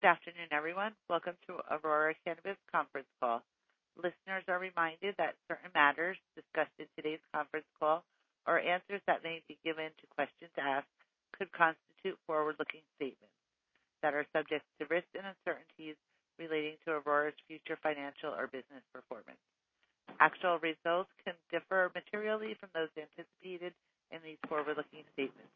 Good afternoon, everyone. Welcome to Aurora Cannabis conference call. Listeners are reminded that certain matters discussed in today's conference call or answers that may be given to questions asked could constitute forward-looking statements that are subject to risks and uncertainties relating to Aurora's future financial or business performance. Actual results can differ materially from those anticipated in these forward-looking statements.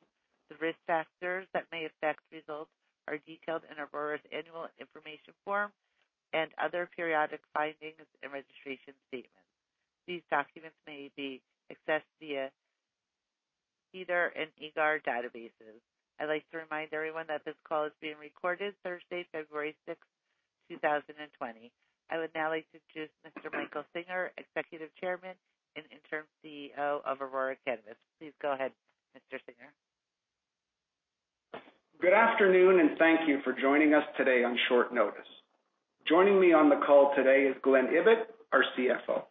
The risk factors that may affect results are detailed in Aurora's annual information form and other periodic filings and registration statements. These documents may be accessed via SEDAR and EDGAR databases. I'd like to remind everyone that this call is being recorded Thursday, February 6, 2020. I would now like to introduce Mr. Michael Singer, Executive Chairman and Interim CEO of Aurora Cannabis. Please go ahead, Mr. Singer. Good afternoon, and thank you for joining us today on short notice. Joining me on the call today is Glen Ibbott, our CFO.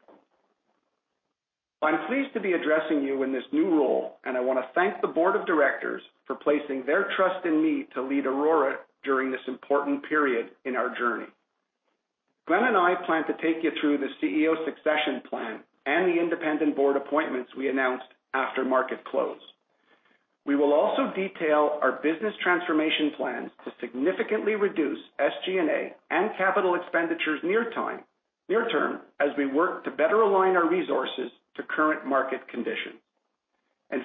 I'm pleased to be addressing you in this new role, and I want to thank the board of directors for placing their trust in me to lead Aurora during this important period in our journey. Glen and I plan to take you through the CEO succession plan and the independent board appointments we announced after market close. We will also detail our business transformation plans to significantly reduce SG&A and capital expenditures near-term as we work to better align our resources to current market conditions.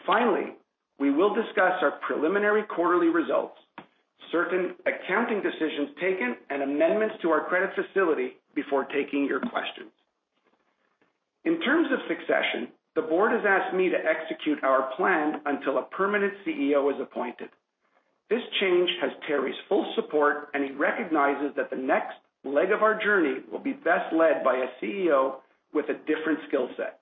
Finally, we will discuss our preliminary quarterly results, certain accounting decisions taken, and amendments to our credit facility before taking your questions. In terms of succession, the board has asked me to execute our plan until a permanent CEO is appointed. This change has Terry's full support, and he recognizes that the next leg of our journey will be best led by a CEO with a different skill set.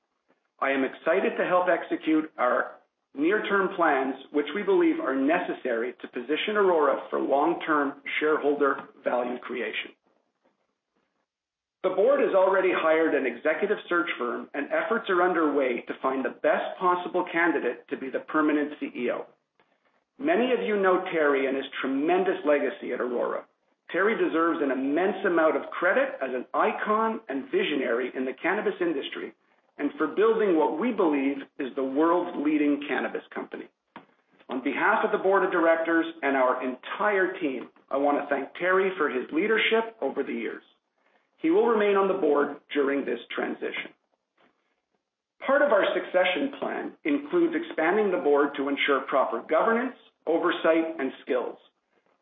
I am excited to help execute our near-term plans, which we believe are necessary to position Aurora for long-term shareholder value creation. The board has already hired an executive search firm and efforts are underway to find the best possible candidate to be the permanent CEO. Many of you know Terry and his tremendous legacy at Aurora. Terry deserves an immense amount of credit as an icon and visionary in the cannabis industry, and for building what we believe is the world's leading cannabis company. On behalf of the board of directors and our entire team, I want to thank Terry for his leadership over the years. He will remain on the board during this transition. Part of our succession plan includes expanding the board to ensure proper governance, oversight, and skills.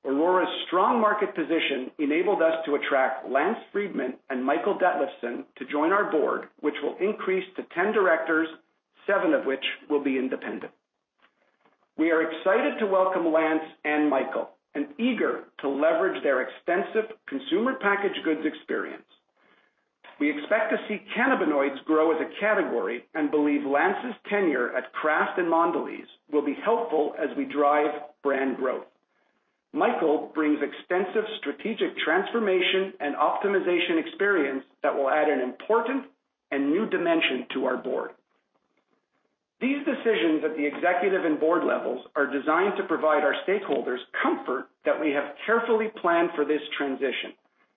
Aurora's strong market position enabled us to attract Lance Friedmann and Michael Detlefsen to join our board, which will increase to 10 directors, seven of which will be independent. We are excited to welcome Lance and Michael, and eager to leverage their extensive consumer packaged goods experience. We expect to see cannabinoids grow as a category and believe Lance's tenure at Kraft and Mondelez will be helpful as we drive brand growth. Michael brings extensive strategic transformation and optimization experience that will add an important and new dimension to our board. These decisions at the executive and board levels are designed to provide our stakeholders comfort that we have carefully planned for this transition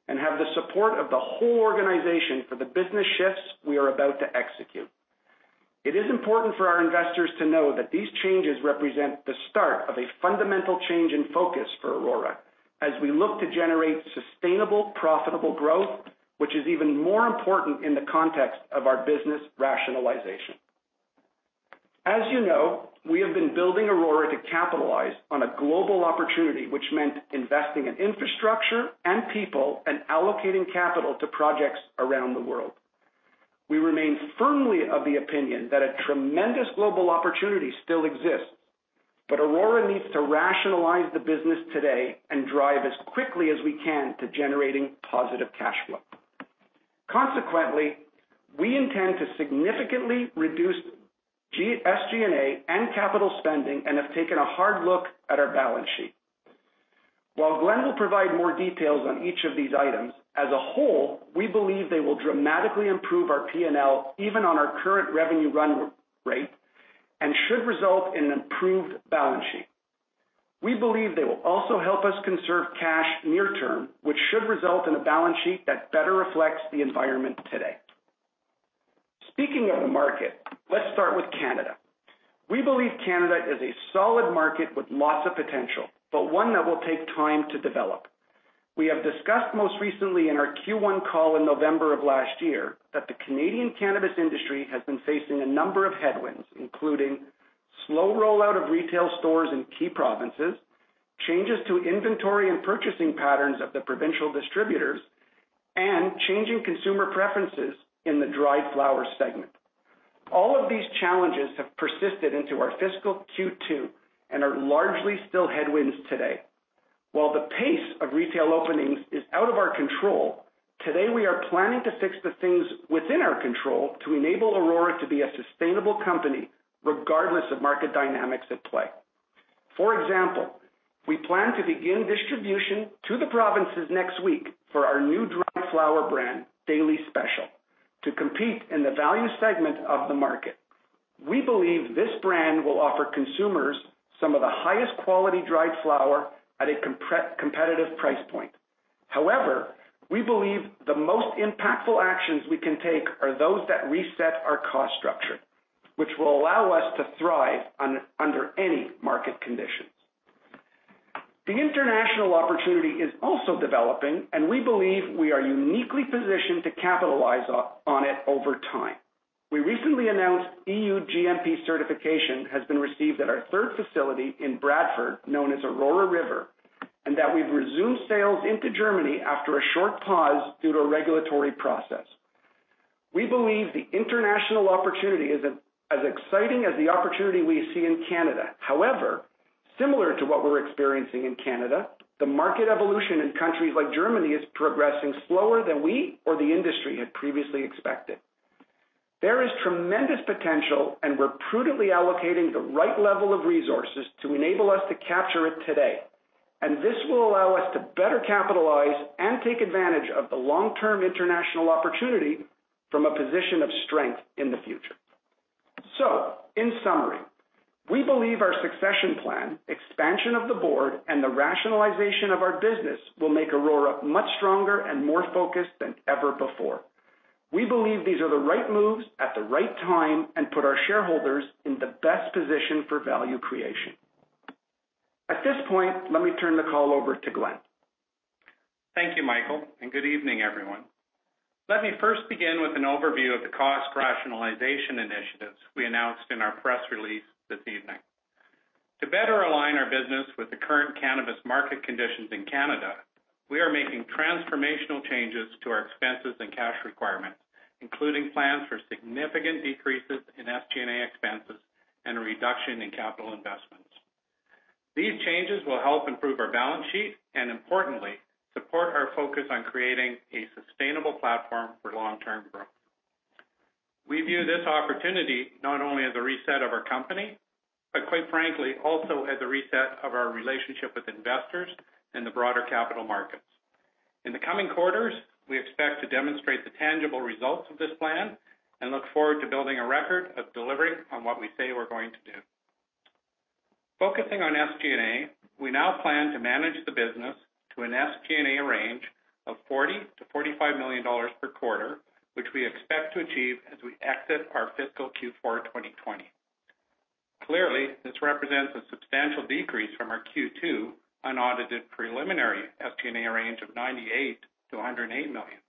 and have the support of the whole organization for the business shifts we are about to execute. It is important for our investors to know that these changes represent the start of a fundamental change in focus for Aurora as we look to generate sustainable, profitable growth, which is even more important in the context of our business rationalization. As you know, we have been building Aurora to capitalize on a global opportunity, which meant investing in infrastructure and people and allocating capital to projects around the world. We remain firmly of the opinion that a tremendous global opportunity still exists, but Aurora needs to rationalize the business today and drive as quickly as we can to generating positive cash flow. Consequently, we intend to significantly reduce SG&A and capital spending and have taken a hard look at our balance sheet. While Glen will provide more details on each of these items, as a whole, we believe they will dramatically improve our P&L even on our current revenue run rate and should result in an improved balance sheet. We believe they will also help us conserve cash near term, which should result in a balance sheet that better reflects the environment today. Speaking of the market, let's start with Canada. We believe Canada is a solid market with lots of potential, but one that will take time to develop. We have discussed most recently in our Q1 call in November of last year that the Canadian cannabis industry has been facing a number of headwinds, including slow rollout of retail stores in key provinces, changes to inventory and purchasing patterns of the provincial distributors, and changing consumer preferences in the dried flower segment. All of these challenges have persisted into our fiscal Q2 and are largely still headwinds today. While the pace of retail openings is out of our control, today, we are planning to fix the things within our control to enable Aurora to be a sustainable company regardless of market dynamics at play. For example, we plan to begin distribution to the provinces next week for our new dried flower brand, Daily Special, to compete in the value segment of the market. We believe this brand will offer consumers some of the highest quality dried flower at a competitive price point. However, we believe the most impactful actions we can take are those that reset our cost structure, which will allow us to thrive under any market conditions. The international opportunity is also developing, and we believe we are uniquely positioned to capitalize on it over time. We recently announced EU GMP certification has been received at our third facility in Bradford, known as Aurora River, and that we've resumed sales into Germany after a short pause due to a regulatory process. We believe the international opportunity is as exciting as the opportunity we see in Canada. However, similar to what we're experiencing in Canada, the market evolution in countries like Germany is progressing slower than we or the industry had previously expected. There is tremendous potential, and we're prudently allocating the right level of resources to enable us to capture it today. This will allow us to better capitalize and take advantage of the long-term international opportunity from a position of strength in the future. In summary, we believe our succession plan, expansion of the board, and the rationalization of our business will make Aurora much stronger and more focused than ever before. We believe these are the right moves at the right time and put our shareholders in the best position for value creation. At this point, let me turn the call over to Glen. Thank you, Michael, and good evening, everyone. Let me first begin with an overview of the cost rationalization initiatives we announced in our press release this evening. To better align our business with the current cannabis market conditions in Canada, we are making transformational changes to our expenses and cash requirements, including plans for significant decreases in SG&A expenses and a reduction in capital investments. These changes will help improve our balance sheet and, importantly, support our focus on creating a sustainable platform for long-term growth. We view this opportunity not only as a reset of our company but, quite frankly, also as a reset of our relationship with investors and the broader capital markets. In the coming quarters, we expect to demonstrate the tangible results of this plan and look forward to building a record of delivering on what we say we're going to do. Focusing on SG&A, we now plan to manage the business to an SG&A range of 40 million-45 million dollars per quarter, which we expect to achieve as we exit our fiscal Q4 2020. Clearly, this represents a substantial decrease from our Q2 unaudited preliminary SG&A range of 98 million-108 million.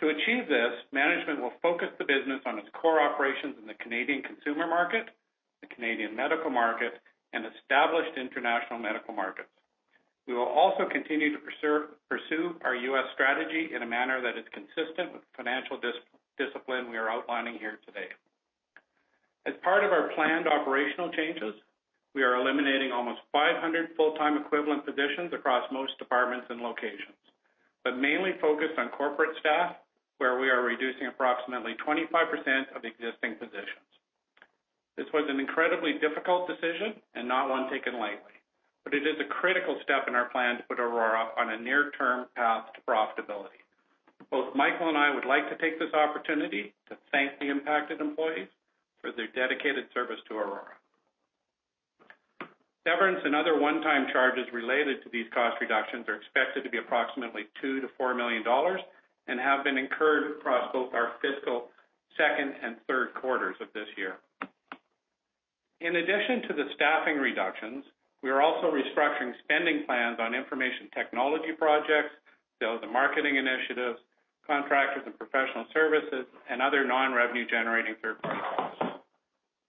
To achieve this, management will focus the business on its core operations in the Canadian consumer market, the Canadian medical market, and established international medical markets. We will also continue to pursue our U.S. strategy in a manner that is consistent with financial discipline we are outlining here today. As part of our planned operational changes, we are eliminating almost 500 full-time equivalent positions across most departments and locations, but mainly focused on corporate staff, where we are reducing approximately 25% of existing positions. This was an incredibly difficult decision and not one taken lightly, but it is a critical step in our plan to put Aurora on a near-term path to profitability. Both Michael and I would like to take this opportunity to thank the impacted employees for their dedicated service to Aurora. Severance and other one-time charges related to these cost reductions are expected to be approximately 2 million-4 million dollars and have been incurred across both our fiscal second and third quarters of this year. In addition to the staffing reductions, we are also restructuring spending plans on information technology projects, sales and marketing initiatives, contractors and professional services, and other non-revenue-generating third-party costs.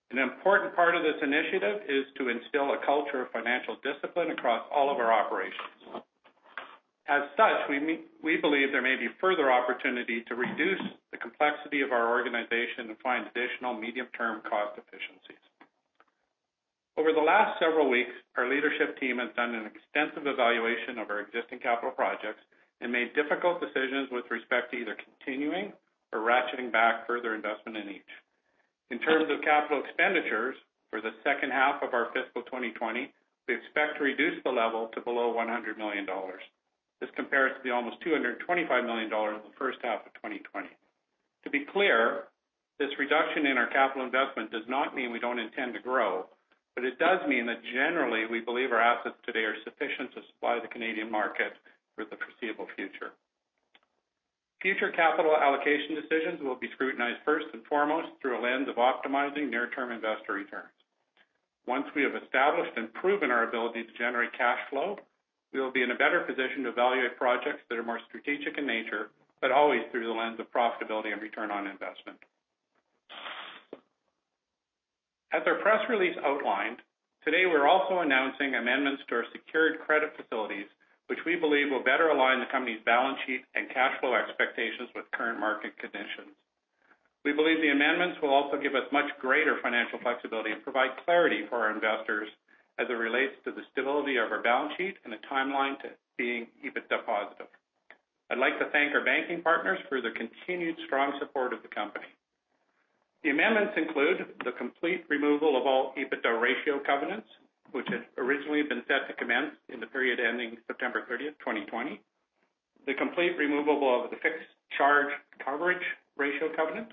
An important part of this initiative is to instill a culture of financial discipline across all of our operations. As such, we believe there may be further opportunity to reduce the complexity of our organization and find additional medium-term cost efficiencies. Over the last several weeks, our leadership team has done an extensive evaluation of our existing capital projects and made difficult decisions with respect to either continuing or ratcheting back further investment in each. In terms of capital expenditures for the second half of our fiscal 2020, we expect to reduce the level to below 100 million dollars. This compares to the almost 225 million dollars in the first half of 2020. To be clear, this reduction in our capital investment does not mean we don't intend to grow, but it does mean that generally, we believe our assets today are sufficient to supply the Canadian market for the foreseeable future. Future capital allocation decisions will be scrutinized first and foremost through a lens of optimizing near-term investor returns. Once we have established and proven our ability to generate cash flow, we will be in a better position to evaluate projects that are more strategic in nature, but always through the lens of profitability and return on investment. As our press release outlined, today we're also announcing amendments to our secured credit facilities, which we believe will better align the company's balance sheet and cash flow expectations with current market conditions. We believe the amendments will also give us much greater financial flexibility and provide clarity for our investors as it relates to the stability of our balance sheet and the timeline to being EBITDA positive. I'd like to thank our banking partners for their continued strong support of the company. The amendments include the complete removal of all EBITDA ratio covenants, which had originally been set to commence in the period ending September 30th, 2020. The complete removal of the fixed charge coverage ratio covenant.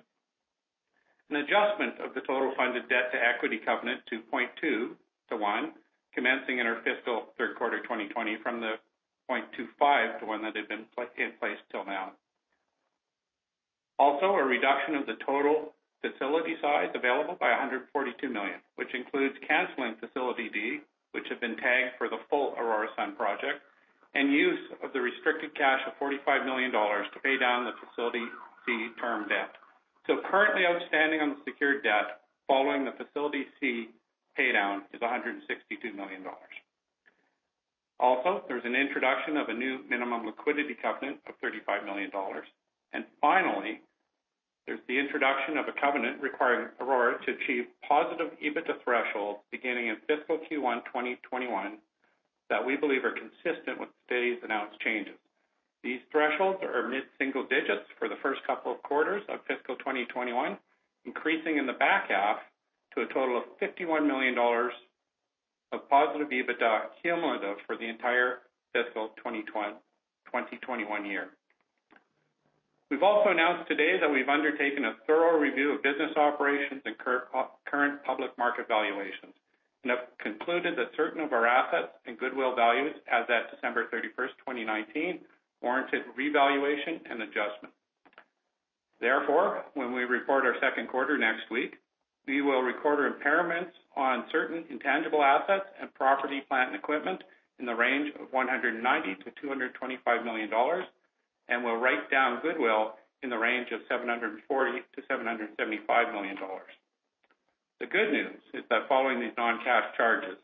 An adjustment of the total funded debt to equity covenant to 0.2-to-1, commencing in our fiscal third quarter 2020 from the 0.25-to-1 that had been in place till now. Also, a reduction of the total facility size available by 142 million, which includes canceling Facility D, which had been tagged for the full Aurora Sun project, and use of the restricted cash of 45 million dollars to pay down the Facility C term debt. Currently outstanding on the secured debt, following the Facility C pay down is 162 million dollars. Also, there's an introduction of a new minimum liquidity covenant of 35 million dollars. Finally, there's the introduction of a covenant requiring Aurora to achieve positive EBITDA thresholds beginning in fiscal Q1 2021 that we believe are consistent with today's announced changes. These thresholds are mid-single digits for the first couple of quarters of fiscal 2021, increasing in the back half to a total of 51 million dollars of positive EBITDA cumulative for the entire fiscal 2021 year. We've also announced today that we've undertaken a thorough review of business operations and current public market valuations and have concluded that certain of our assets and goodwill values as at December 31st, 2019, warranted revaluation and adjustment. Therefore, when we report our second quarter next week, we will record impairments on certain intangible assets and property, plant, and equipment in the range of 190 million-225 million dollars, and will write down goodwill in the range of 740 million-775 million dollars. The good news is that following these non-cash charges,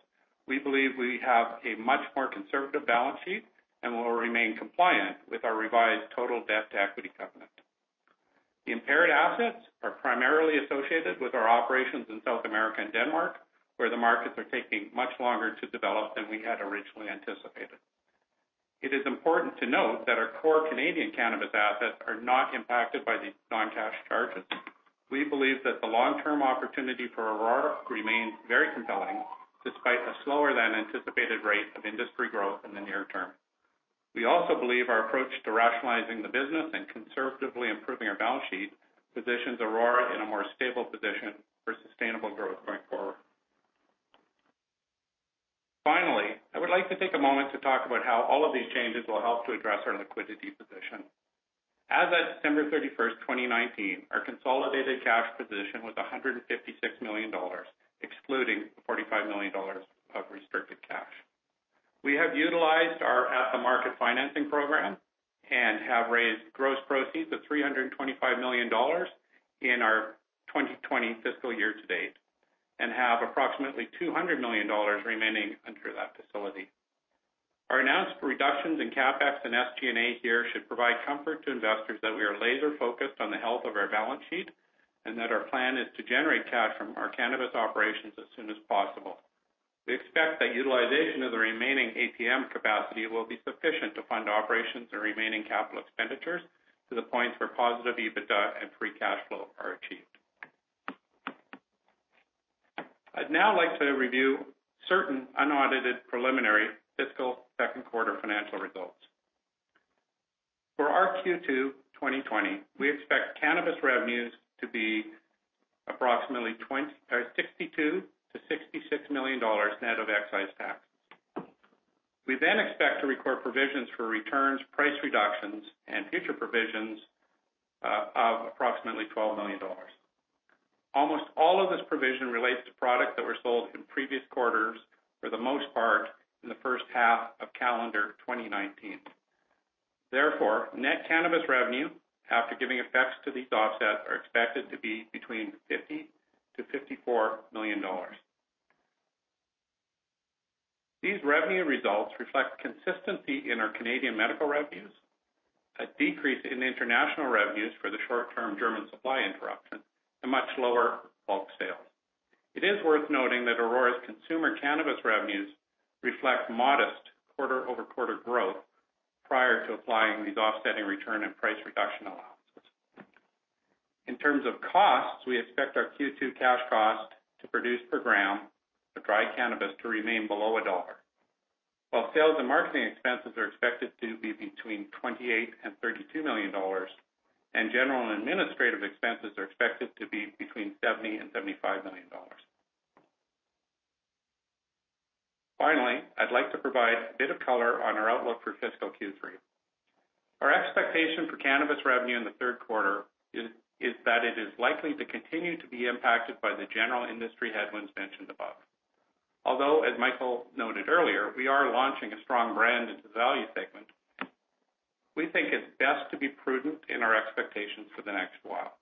we believe we have a much more conservative balance sheet and will remain compliant with our revised total debt to equity covenant. The impaired assets are primarily associated with our operations in South America and Denmark, where the markets are taking much longer to develop than we had originally anticipated. It is important to note that our core Canadian cannabis assets are not impacted by these non-cash charges. We believe that the long-term opportunity for Aurora remains very compelling, despite a slower than anticipated rate of industry growth in the near term. We also believe our approach to rationalizing the business and conservatively improving our balance sheet positions Aurora in a more stable position for sustainable growth going forward. Finally, I would like to take a moment to talk about how all of these changes will help to address our liquidity position. As at December 31st, 2019, our consolidated cash position was 156 million dollars, excluding the 45 million dollars of restricted cash. We have utilized our at-the-market financing program and have raised gross proceeds of 325 million dollars in our 2020 fiscal year to date and have approximately 200 million dollars remaining under that facility. Our announced reductions in CapEx and SG&A here should provide comfort to investors that we are laser-focused on the health of our balance sheet, and that our plan is to generate cash from our cannabis operations as soon as possible. We expect that utilization of the remaining ATM capacity will be sufficient to fund operations and remaining capital expenditures to the point where positive EBITDA and free cash flow are achieved. I'd now like to review certain unaudited preliminary fiscal second quarter financial results. For our Q2 2020, we expect cannabis revenues to be approximately 62 million-66 million dollars net of excise tax. We then expect to record provisions for returns, price reductions, and future provisions of approximately 12 million dollars. Almost all of this provision relates to products that were sold in previous quarters, for the most part in the first half of calendar 2019. Therefore, net cannabis revenue, after giving effect to these offsets, are expected to be between 50 million-54 million dollars. These revenue results reflect consistency in our Canadian medical revenues, a decrease in international revenues for the short-term German supply interruption, and much lower bulk sales. It is worth noting that Aurora's consumer cannabis revenues reflect modest quarter-over-quarter growth prior to applying these offsetting return and price reduction allowances. In terms of costs, we expect our Q2 cash cost to produce per gram of dried cannabis to remain below CAD 1. While sales and marketing expenses are expected to be between 28 million and 32 million dollars, and general and administrative expenses are expected to be between 70 million and 75 million dollars. Finally, I'd like to provide a bit of color on our outlook for fiscal Q3. Our expectation for cannabis revenue in the third quarter is that it is likely to continue to be impacted by the general industry headwinds mentioned above. Although, as Michael noted earlier, we are launching a strong brand into the value segment. We think it's best to be prudent in our expectations for the next while.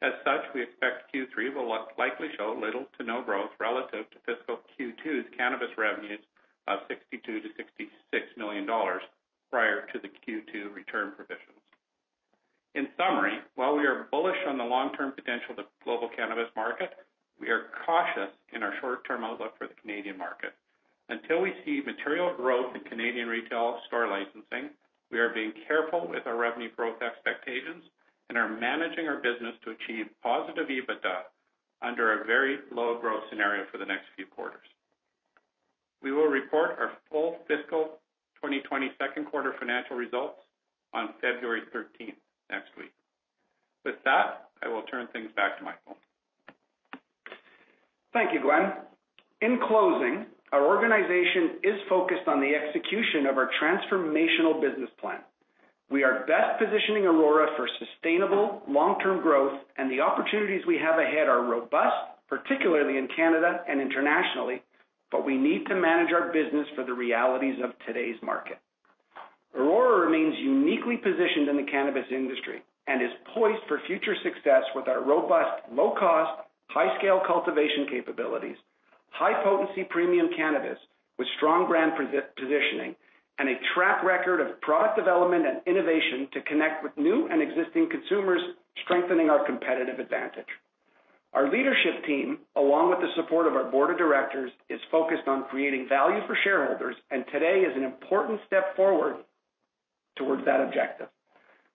As such, we expect Q3 will likely show little to no growth relative to fiscal Q2's cannabis revenues of 62 million-66 million dollars prior to the Q2 return provisions. In summary, while we are bullish on the long-term potential of the global cannabis market, we are cautious in our short-term outlook for the Canadian market. Until we see material growth in Canadian retail store licensing, we are being careful with our revenue growth expectations and are managing our business to achieve positive EBITDA under a very low growth scenario for the next few quarters. We will report our full fiscal 2020 second quarter financial results on February 13th, next week. With that, I will turn things back to Michael. Thank you, Glen. In closing, our organization is focused on the execution of our transformational business plan. We are best positioning Aurora for sustainable long-term growth, and the opportunities we have ahead are robust, particularly in Canada and internationally, but we need to manage our business for the realities of today's market. Aurora remains uniquely positioned in the cannabis industry and is poised for future success with our robust, low-cost, high-scale cultivation capabilities, high-potency premium cannabis with strong brand positioning, and a track record of product development and innovation to connect with new and existing consumers, strengthening our competitive advantage. Our leadership team, along with the support of our board of directors, is focused on creating value for shareholders, and today is an important step forward towards that objective.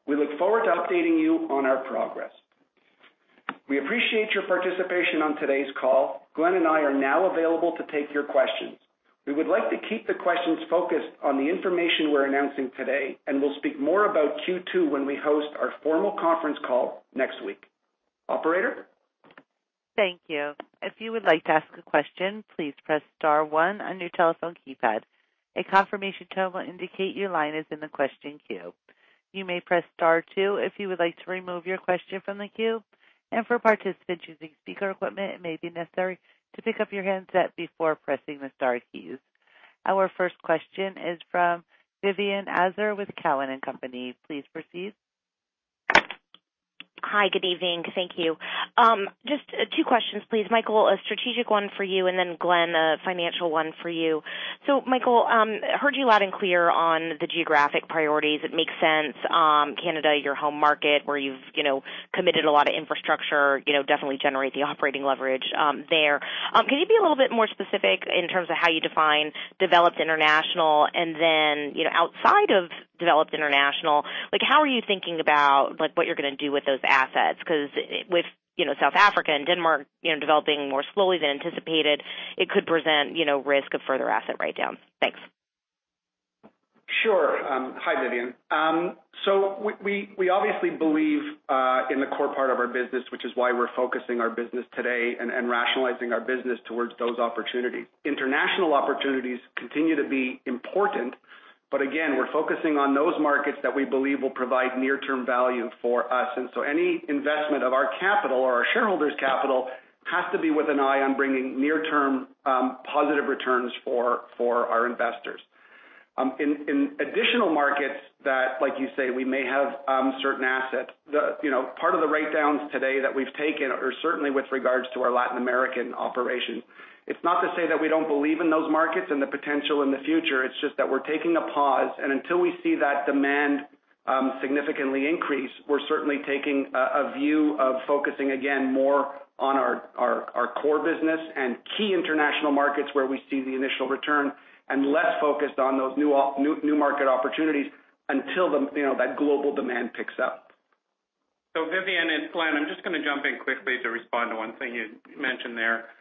We look forward to updating you on our progress. We appreciate your participation on today's call. Glen and I are now available to take your questions. We would like to keep the questions focused on the information we're announcing today, and we'll speak more about Q2 when we host our formal conference call next week. Operator? Thank you. If you would like to ask a question, please press star one on your telephone keypad. A confirmation tone will indicate your line is in the question queue. You may press star two if you would like to remove your question from the queue. For participants using speaker equipment, it may be necessary to pick up your handset before pressing the star keys. Our first question is from Vivien Azer with Cowen and Company. Please proceed. Hi. Good evening. Thank you. Just two questions, please. Michael, a strategic one for you, and then Glen, a financial one for you. Michael, heard you loud and clear on the geographic priorities. It makes sense. Canada, your home market, where you've committed a lot of infrastructure, definitely generate the operating leverage there. Can you be a little bit more specific in terms of how you define developed international and then, outside of developed international, how are you thinking about what you're going to do with those assets? Because with South America and Denmark developing more slowly than anticipated, it could present risk of further asset write-down. Thanks. Sure. Hi, Vivian. We obviously believe in the core part of our business, which is why we're focusing our business today and rationalizing our business towards those opportunities. International opportunities continue to be important, but again, we're focusing on those markets that we believe will provide near-term value for us. Any investment of our capital or our shareholders' capital has to be with an eye on bringing near-term positive returns for our investors. In additional markets that, like you say, we may have certain assets. Part of the write-downs today that we've taken are certainly with regards to our Latin American operation. It's not to say that we don't believe in those markets and the potential in the future, it's just that we're taking a pause, and until we see that demand significantly increase, we're certainly taking a view of focusing again more on our core business and key international markets where we see the initial return and less focused on those new market opportunities until that global demand picks up. Vivian, it's Glen. I'm just going to jump in quickly to respond to one thing you mentioned there.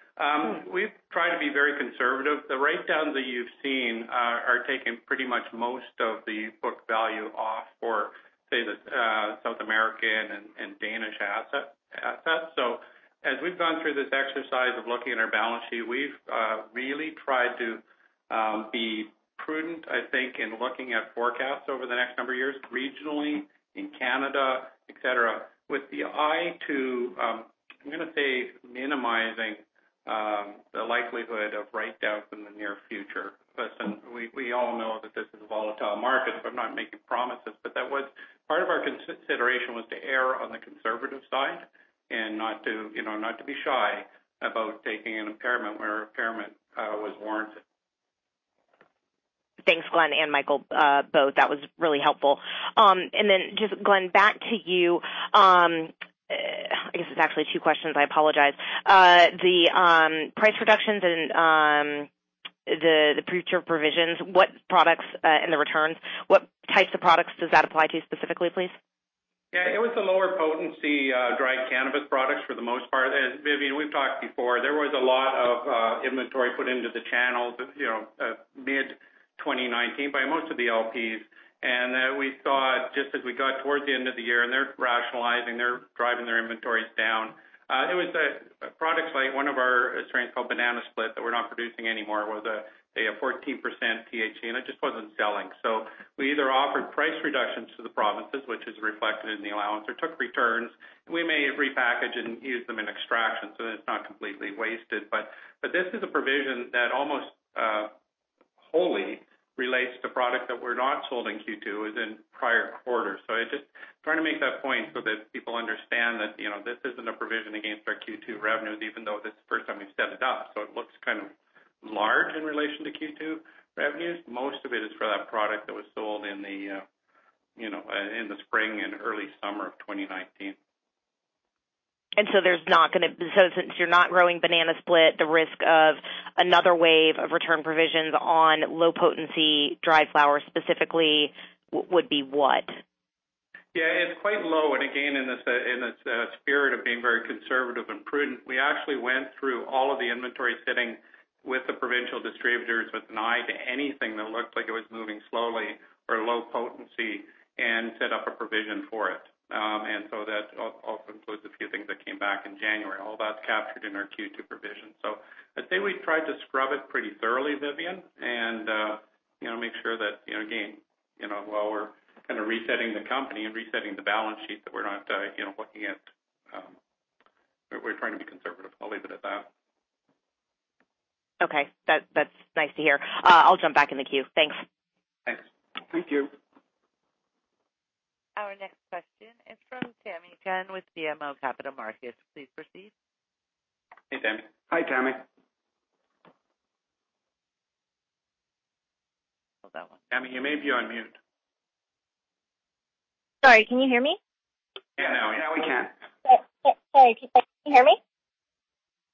We've tried to be very conservative. The write-downs that you've seen are taking pretty much most of the book value off for, say, the South American and Danish assets. As we've gone through this exercise of looking at our balance sheet, we've really tried to be prudent, I think, in looking at forecasts over the next number of years, regionally in Canada, et cetera, with the eye to, I'm going to say, minimizing the likelihood of write-downs in the near future. Listen, we all know that this is a volatile market, so I'm not making promises, but part of our consideration was to err on the conservative side and not to be shy about taking an impairment where impairment was warranted. Thanks, Glen and Michael, both. That was really helpful. Then just Glen, back to you. I guess it's actually two questions. I apologize. The price reductions and the future provisions and the returns, what types of products does that apply to specifically, please? Yeah, it was the lower potency dried cannabis products for the most part. Vivian, we've talked before, there was a lot of inventory put into the channels mid-2019 by most of the LPs. We saw it just as we got towards the end of the year, and they're rationalizing, they're driving their inventories down. It was a product like one of our strains called Banana Split that we're not producing anymore, was a 14% THC, and it just wasn't selling. We either offered price reductions to the provinces, which is reflected in the allowance, or took returns. We may repackage and use them in extraction so that it's not completely wasted. This is a provision that almost wholly relates to product that were not sold in Q2. It was in prior quarters. I'm just trying to make that point so that people understand that this isn't a provision against our Q2 revenues, even though that's the first time we've set it up. It looks kind of large in relation to Q2 revenues. Most of it is for that product that was sold in the spring and early summer of 2019. Since you're not growing Banana Split, the risk of another wave of return provisions on low-potency dried flowers specifically would be what? Yeah, it's quite low and again, in the spirit of being very conservative and prudent, we actually went through all of the inventory sitting with the provincial distributors with an eye to anything that looked like it was moving slowly or low potency and set up a provision for it. That also includes a few things that came back in January. All that's captured in our Q2 provision. I'd say we tried to scrub it pretty thoroughly, Vivian, and make sure that, again, while we're kind of resetting the company and resetting the balance sheet that we're not looking at. We're trying to be conservative. I'll leave it at that. Okay. That's nice to hear. I'll jump back in the queue. Thanks. Thanks. Thank you. Our next question is from Tamy Chen with BMO Capital Markets. Please proceed. Hey, Tamy. Hi, Tamy. Tamy, you may be on mute. Sorry, can you hear me? Yeah. Now we can. Sorry. Can you hear me?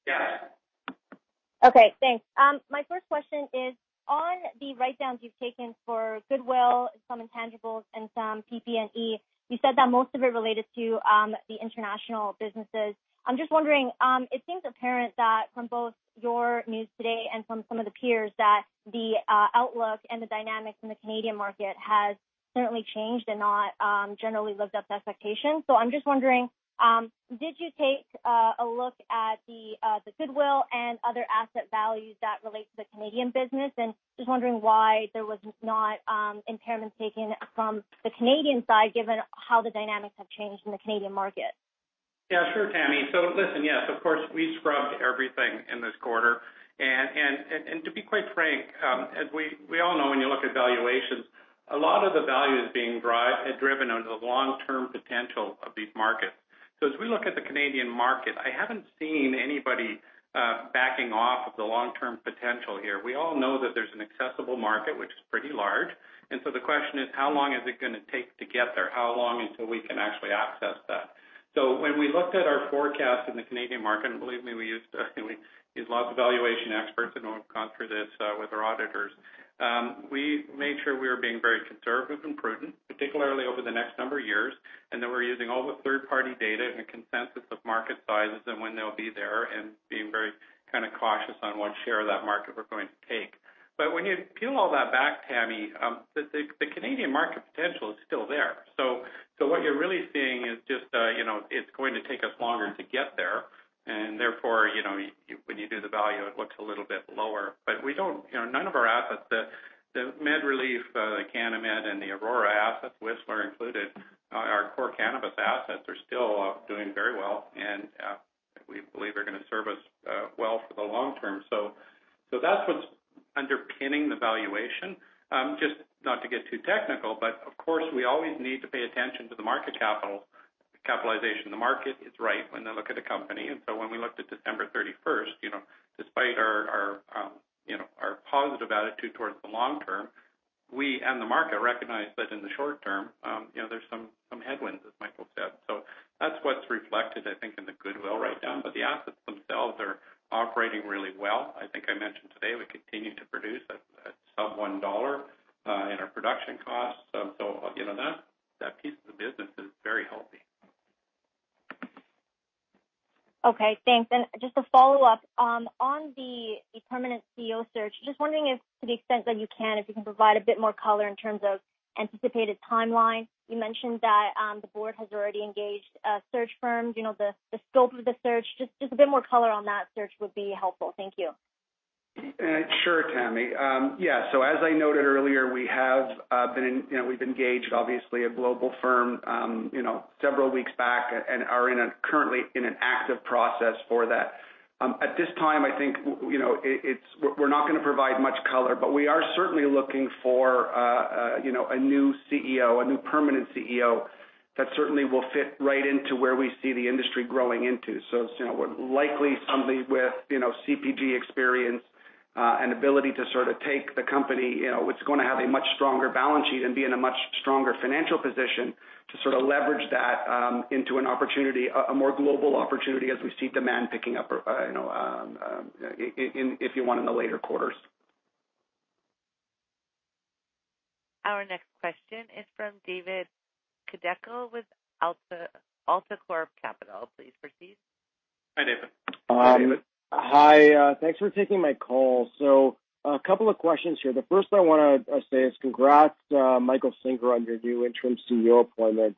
Yes. Okay, thanks. My first question is on the write-downs you've taken for goodwill, some intangibles, and some PP&E. You said that most of it related to the international businesses. I'm just wondering, it seems apparent that from both your news today and from some of the peers, that the outlook and the dynamics in the Canadian market has certainly changed and not generally lived up to expectations. I'm just wondering, did you take a look at the goodwill and other asset values that relate to the Canadian business? Just wondering why there was not impairments taken from the Canadian side, given how the dynamics have changed in the Canadian market? Yeah, sure, Tamy. Listen, yes, of course, we scrubbed everything in this quarter. To be quite frank, as we all know, when you look at valuations, a lot of the value is being driven on the long-term potential of these markets. As we look at the Canadian market, I haven't seen anybody backing off of the long-term potential here. We all know that there's an accessible market, which is pretty large. The question is, how long is it going to take to get there? How long until we can actually access that? When we looked at our forecast in the Canadian market, and believe me, we used lots of valuation experts, and we've gone through this with our auditors. We made sure we were being very conservative and prudent, particularly over the next number of years, and that we're using all the third-party data and the consensus of market sizes and when they'll be there and being very kind of cautious on what share of that market we're going to take. When you peel all that back, Tamy, the Canadian market potential is still there. What you're really seeing is just it's going to take us longer to get there, and therefore, when you do the value, it looks a little bit lower. None of our assets, the MedReleaf, the CanniMed and the Aurora assets, Whistler included, our core cannabis assets are still doing very well, and we believe are going to serve us well for the long term. That's what's underpinning the valuation. Just not to get too technical, but of course, we always need to pay attention to the market capitalization. The market is right when they look at a company, and so when we looked at December 31st, despite our positive attitude towards the long term, we and the market recognized that in the short term there's some headwinds, as Michael said. That's what's reflected, I think, in the goodwill write-down. But the assets themselves are operating really well. I think I mentioned today we continue to produce at sub 1 dollar in our production costs. That piece of the business is very healthy. Okay, thanks. Just a follow-up. On the permanent CEO search, just wondering if to the extent that you can, if you can provide a bit more color in terms of anticipated timeline. You mentioned that the board has already engaged a search firm, the scope of the search, just a bit more color on that search would be helpful. Thank you. Sure, Tamy. Yeah, as I noted earlier, we've engaged, obviously, a global firm several weeks back and are currently in an active process for that. At this time, I think, we're not going to provide much color, but we are certainly looking for a new permanent CEO that certainly will fit right into where we see the industry growing into. It's likely somebody with CPG experience, and ability to sort of take the company. It's going to have a much stronger balance sheet and be in a much stronger financial position to sort of leverage that into a more global opportunity as we see demand picking up, if you want, in the later quarters. Our next question is from David Kideckel with AltaCorp Capital. Please proceed. Hi, David. Hi, David. Hi, thanks for taking my call. A couple of questions here. The first I want to say is congrats, Michael Singer, on your new Interim CEO appointment.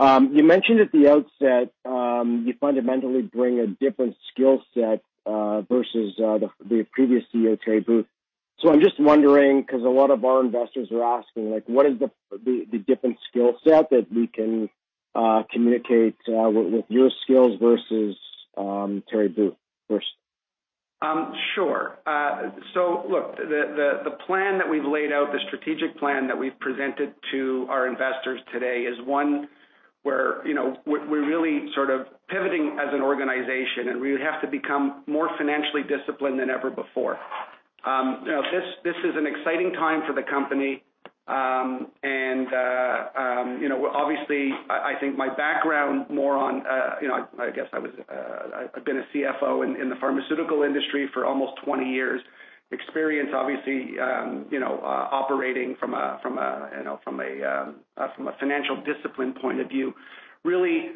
You mentioned at the outset, you fundamentally bring a different skill set versus the previous CEO, Terry Booth. I'm just wondering because a lot of our investors are asking, like, what is the different skill set that we can communicate with your skills versus Terry Booth's? Sure. Look, the plan that we've laid out, the strategic plan that we've presented to our investors today is one where we're really sort of pivoting as an organization, and we have to become more financially disciplined than ever before. This is an exciting time for the company. Obviously, I think I've been a CFO in the pharmaceutical industry for almost 20 years, obviously operating from a financial discipline point of view, really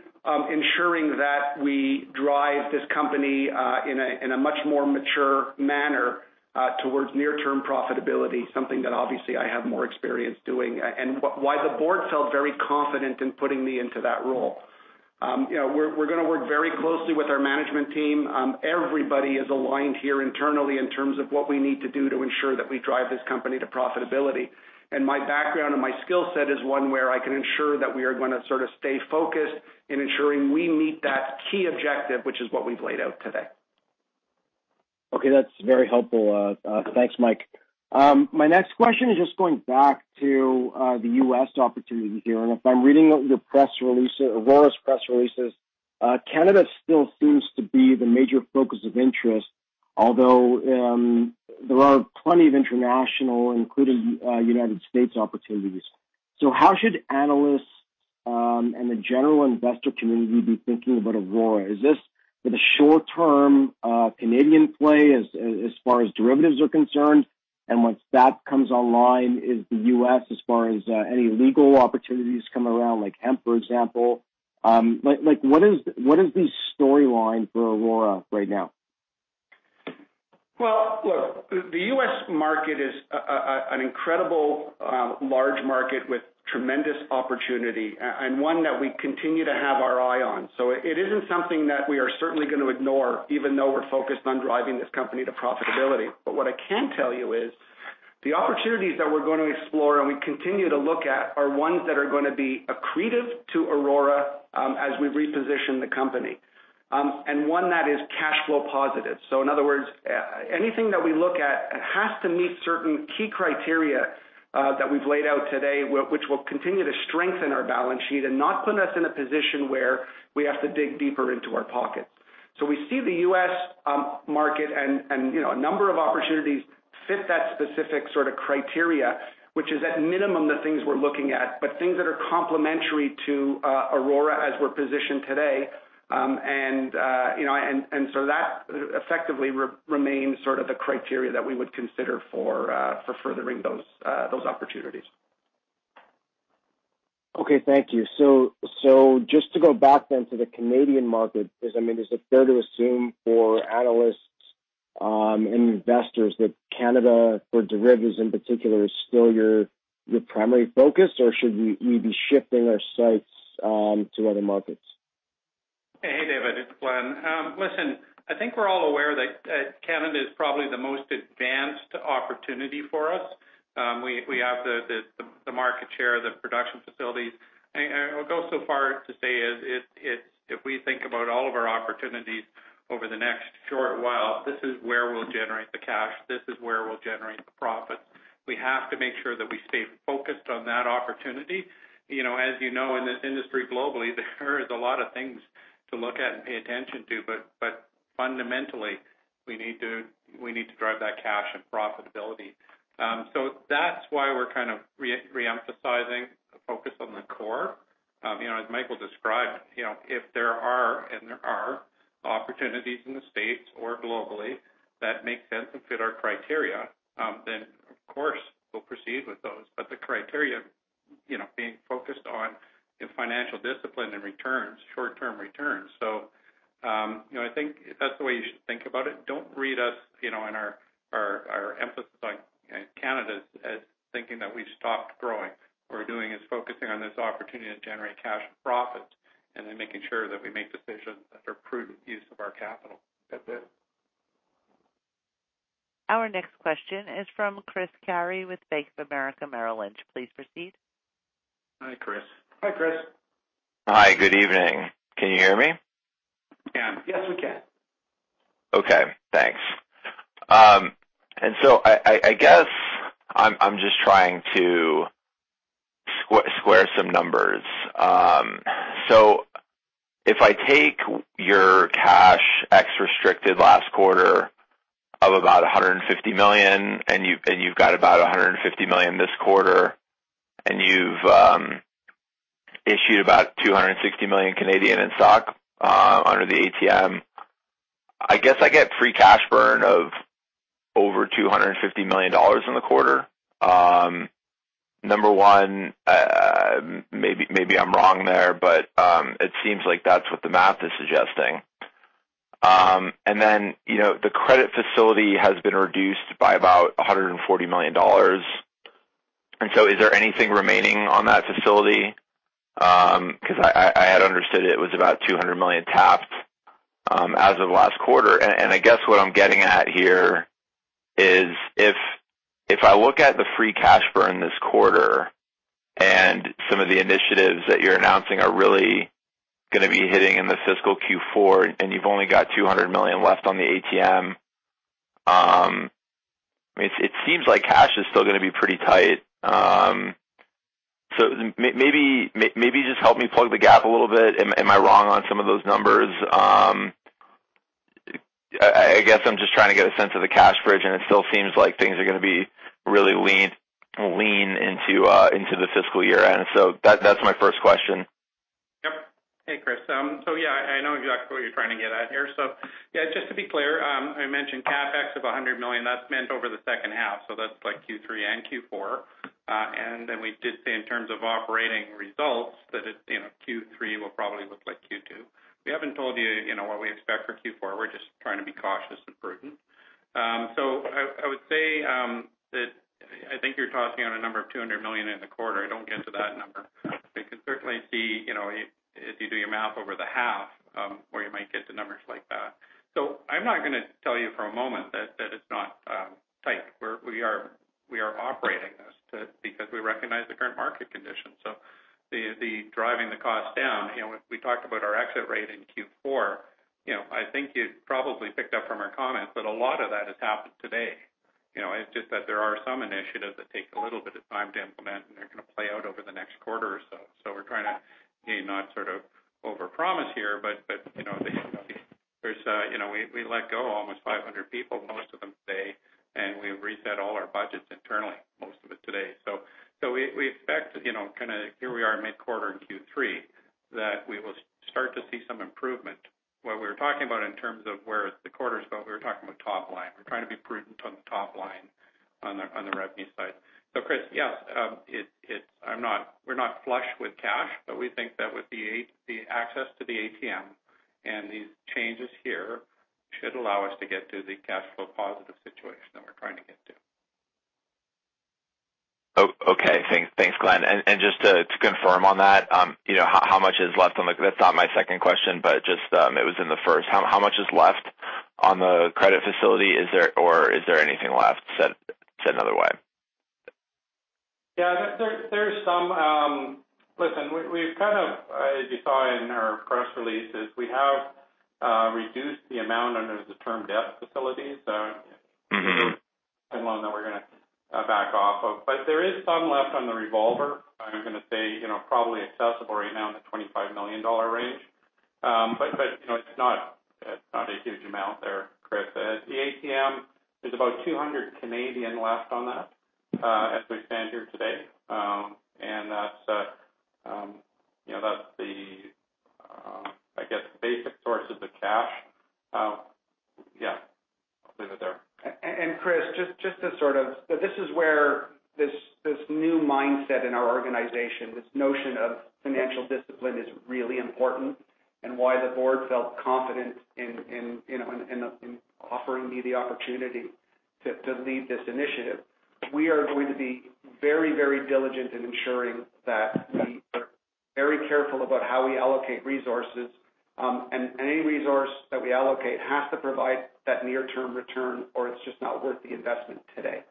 ensuring that we drive this company in a much more mature manner towards near-term profitability, something that obviously I have more experience doing, and why the board felt very confident in putting me into that role. We're going to work very closely with our management team. Everybody is aligned here internally in terms of what we need to do to ensure that we drive this company to profitability. My background and my skill set is one where I can ensure that we are going to sort of stay focused in ensuring we meet that key objective, which is what we've laid out today. Okay, that's very helpful. Thanks, Mike. My next question is just going back to the U.S. opportunity here, and if I'm reading out your press release, Aurora's press releases, Canada still seems to be the major focus of interest, although there are plenty of international, including United States opportunities. How should analysts and the general investor community be thinking about Aurora? Is this the short term Canadian play as far as derivatives are concerned? And once that comes online, is the U.S. as far as any legal opportunities come around, like hemp, for example? What is the storyline for Aurora right now? Well, look, the U.S. market is an incredible large market with tremendous opportunity and one that we continue to have our eye on. It isn't something that we are certainly going to ignore, even though we're focused on driving this company to profitability. What I can tell you is the opportunities that we're going to explore and we continue to look at are ones that are going to be accretive to Aurora as we reposition the company, and one that is cash flow positive. In other words, anything that we look at has to meet certain key criteria that we've laid out today, which will continue to strengthen our balance sheet and not put us in a position where we have to dig deeper into our pockets. We see the U.S. market and a number of opportunities fit that specific sort of criteria, which is at minimum the things we're looking at, but things that are complementary to Aurora as we're positioned today. That effectively remains sort of the criteria that we would consider for furthering those opportunities. Okay, thank you. Just to go back then to the Canadian market, is it fair to assume for analysts and investors that Canada, for derivatives in particular, is still your primary focus or should we be shifting our sights to other markets? Hey, David, it's Glen. Listen, I think we're all aware that Canada is probably the most advanced opportunity for us. We have the market share, the production facilities. I'll go so far as to say if we think about all of our opportunities over the next short while, this is where we'll generate the cash. This is where we'll generate the profit. We have to make sure that we stay focused on that opportunity. As you know, in this industry globally, there is a lot of things to look at and pay attention to, but fundamentally, we need to drive that cash and profitability. That's why we're kind of re-emphasizing the focus on the core. As Michael described, if there are, and there are, opportunities in the States or globally that make sense and fit our criteria, then of course, we'll proceed with those. The criteria being focused on in financial discipline and returns, short-term returns. I think that's the way you should think about it. Don't read us in our emphasis on Canada as thinking that we've stopped growing. What we're doing is focusing on this opportunity to generate cash and profit and then making sure that we make decisions that are prudent use of our capital. That's it. Our next question is from Chris Carey with Bank of America Merrill Lynch. Please proceed. Hi, Chris. Hi, Chris. Hi, good evening. Can you hear me? We can. Yes, we can. Okay, thanks. I guess I'm just trying to square some numbers. If I take your cash ex restricted last quarter of about 150 million and you've got about 150 million this quarter and you've issued about 260 million in stock under the ATM, I guess I get free cash burn of over 250 million dollars in the quarter. Number one, maybe I'm wrong there, but it seems like that's what the math is suggesting. The credit facility has been reduced by about 140 million dollars. Is there anything remaining on that facility? Because I had understood it was about 200 million tapped as of last quarter. I guess what I'm getting at here is if I look at the free cash burn this quarter and some of the initiatives that you're announcing are really going to be hitting in the fiscal Q4 and you've only got 200 million left on the ATM, it seems like cash is still going to be pretty tight. Maybe just help me plug the gap a little bit. Am I wrong on some of those numbers? I guess I'm just trying to get a sense of the cash bridge, and it still seems like things are going to be really lean into the fiscal year-end. That's my first question. Yep. Hey, Chris. Yeah, I know exactly what you're trying to get at here. Yeah, just to be clear, I mentioned CapEx of 100 million. That's meant over the second half, so that's like Q3 and Q4. Then we did say in terms of operating results that Q3 will probably look like Q2. We haven't told you what we expect for Q4. We're just trying to be cautious and prudent. I would say that I think you're tossing out a number of 200 million in the quarter. I don't get to that number. It could certainly be if you do your math over the half, where you might get to numbers like that. I'm not going to tell you for a moment that it's not tight. We are operating this because we recognize the current market conditions, so we're driving the costs down. We talked about our exit rate in Q4. I think you probably picked up from our comments, but a lot of that has happened today. It's just that there are some initiatives that take a little bit of time to implement, and they're going to play out over the next quarter or so. We're trying to not sort of overpromise here, but we let go almost 500 people, most of them today, and we've reset all our budgets internally, most of it today. We expect, kind of here we are mid-quarter in Q3, that we will start to see some improvement. What we were talking about in terms of where the quarter is going, we were talking about top line. We're trying to be prudent on the top line on the revenue side. Chris, yes, we're not flush with cash, but we think that with the access to the ATM and these changes here should allow us to get to the cash flow positive situation that we're trying to get to. Okay. Thanks, Glen. Just to confirm on that, how much is left on that. That's not my second question, but just, it was in the first. How much is left on the credit facility? Is there anything left, said another way? Yeah. Listen, as you saw in our press releases, we have reduced the amount under the term debt facilities. Mm-hmm. The loan that we're going to back off of. There is some left on the revolver, I'm going to say, probably accessible right now in the 25 million dollar range. It's not a huge amount there, Chris. The ATM, there's about CAD 200 left on that as we stand here today. That's the, I guess, basic sources of cash. Yeah, I'll leave it there. Chris, this is where this new mindset in our organization, this notion of financial discipline is really important and why the board felt confident in offering me the opportunity to lead this initiative. We are going to be very diligent in ensuring that we are very careful about how we allocate resources. Any resource that we allocate has to provide that near-term return, or it's just not worth the investment today.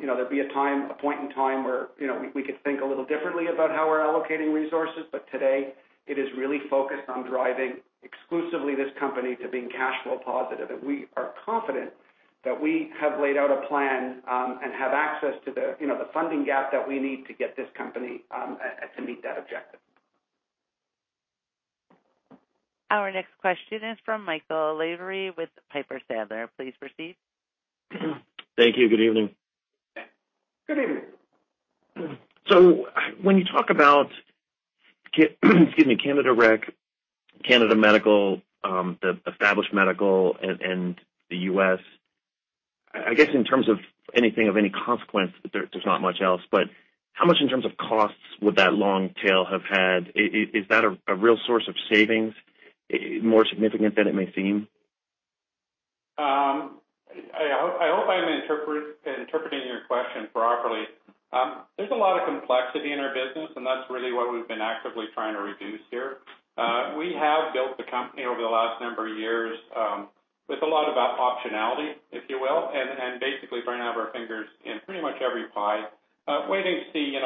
There'll be a point in time where we could think a little differently about how we're allocating resources. Today, it is really focused on driving exclusively this company to being cash flow positive. We are confident that we have laid out a plan, and have access to the funding gap that we need to get this company to meet that objective. Our next question is from Michael Lavery with Piper Sandler. Please proceed. Thank you. Good evening. Good evening. When you talk about, excuse me, Canada Rec, Canada Medical, the Established Medical, and the U.S., I guess in terms of anything of any consequence, there's not much else. How much in terms of costs would that long tail have had? Is that a real source of savings more significant than it may seem? I hope I'm interpreting your question properly. There's a lot of complexity in our business, and that's really what we've been actively trying to reduce here. We have built the company over the last number of years with a lot about optionality, if you will, and basically burning out our fingers in pretty much every pie, waiting to see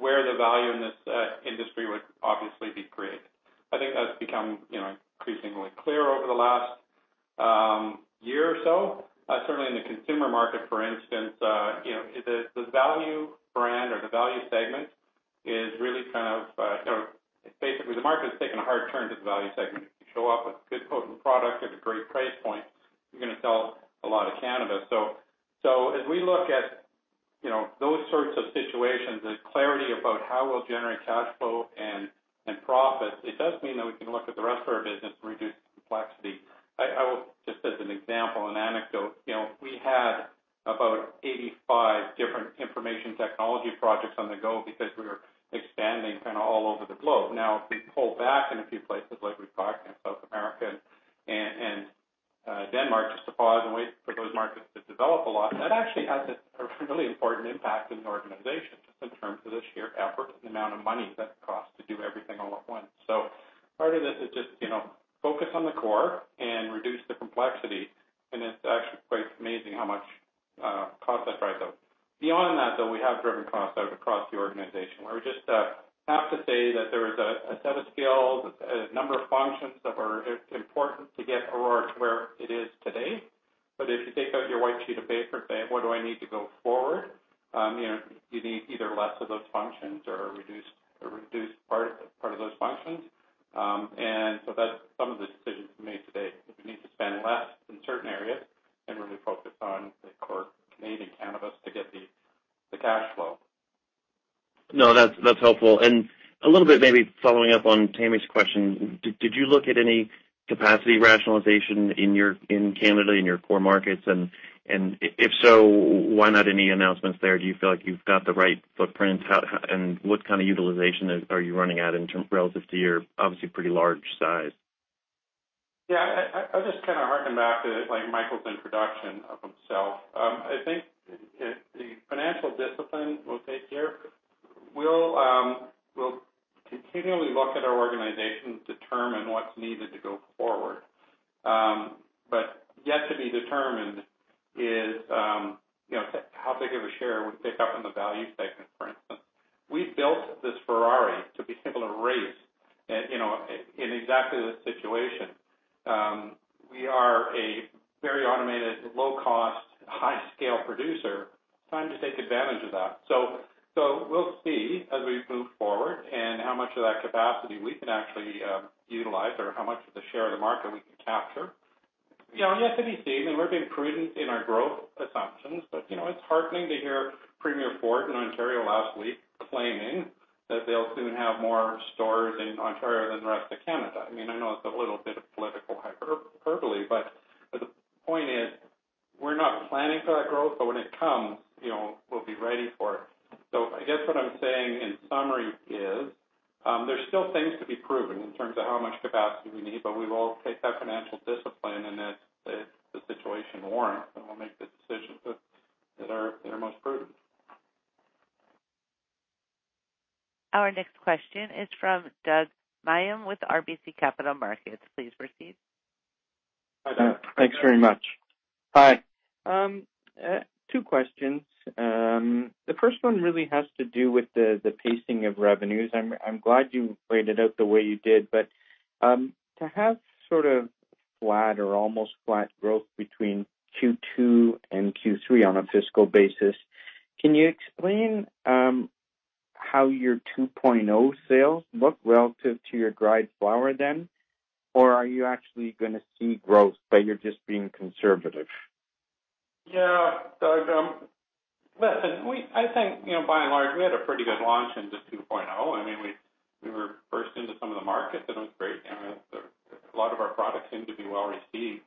where the value in this industry would obviously be created. I think that's become increasingly clear over the last year or so. Certainly in the consumer market, for instance, the value brand or the value segment is really kind of. Basically, the market's taken a hard turn to the value segment. If you show up with good potent product at a great price point, you're going to sell a lot of cannabis. As we look at those sorts of situations and clarity about how we'll generate cash flow and profit, it does mean that we can look at the rest of our business and reduce the complexity. Just as an example and anecdote, we had about 85 different information technology projects on the go because we were expanding kind of all over the globe. Now we pulled back in a few places like we've talked in South America and Denmark, just to pause and wait for those markets to develop a lot. That actually has a really important impact in the organization just in terms of the sheer effort and amount of money that it costs to do everything all at once. Part of this is just focus on the core and reduce the complexity, and it's actually quite amazing how much cost that drives out. Beyond that, though, we have driven costs out across the organization where we have to say that there is a set of skills, a number of functions that are important to get Aurora to where it is today. If you take out your white sheet of paper and say, "What do I need to go forward?" You need either less of those functions or a reduced part of those functions. That's some of the decisions we made today, is we need to spend less in certain areas and really focus on the core Canadian cannabis to get the cash flow. No, that's helpful. A little bit maybe following up on Tami's question, did you look at any capacity rationalization in Canada, in your core markets? If so, why not any announcements there? Do you feel like you've got the right footprint? What kind of utilization are you running at in terms relative to your obviously pretty large size? Yeah. I'll just kind of harken back to Michael's introduction of himself. I think the financial discipline we'll take here, we'll continually look at our organization to determine what's needed to go forward. Yet to be determined is how big of a share we pick up in the value segment, for instance. We built this Ferrari to be able to race in exactly this situation. We are a very automated, low cost, high scale producer. Time to take advantage of that. We'll see as we move forward and how much of that capacity we can actually utilize or how much of the share of the market we can capture. It's yet to be seen, and we're being prudent in our growth assumptions. It's heartening to hear Premier Ford in Ontario last week claiming that they'll soon have more stores in Ontario than the rest of Canada. I know it's a little bit of political hyperbole, but the point is, we're not planning for that growth, but when it comes, we'll be ready for it. I guess what I'm saying in summary is, there's still things to be proven in terms of how much capacity we need, but we will take that financial discipline and as the situation warrants, then we'll make the decisions that are most prudent. Our next question is from Doug Miehm with RBC Capital Markets. Please proceed. Hi, Doug. Thanks very much. Hi. Two questions. The first one really has to do with the pacing of revenues. I'm glad you laid it out the way you did. To have sort of flat or almost flat growth between Q2 and Q3 on a fiscal basis, can you explain how your 2.0 sales look relative to your dried flower then? Or are you actually going to see growth, but you're just being conservative? Yeah. Doug, listen, I think, by and large, we had a pretty good launch into 2.0. We were first into some of the markets. That was great. A lot of our products seem to be well-received.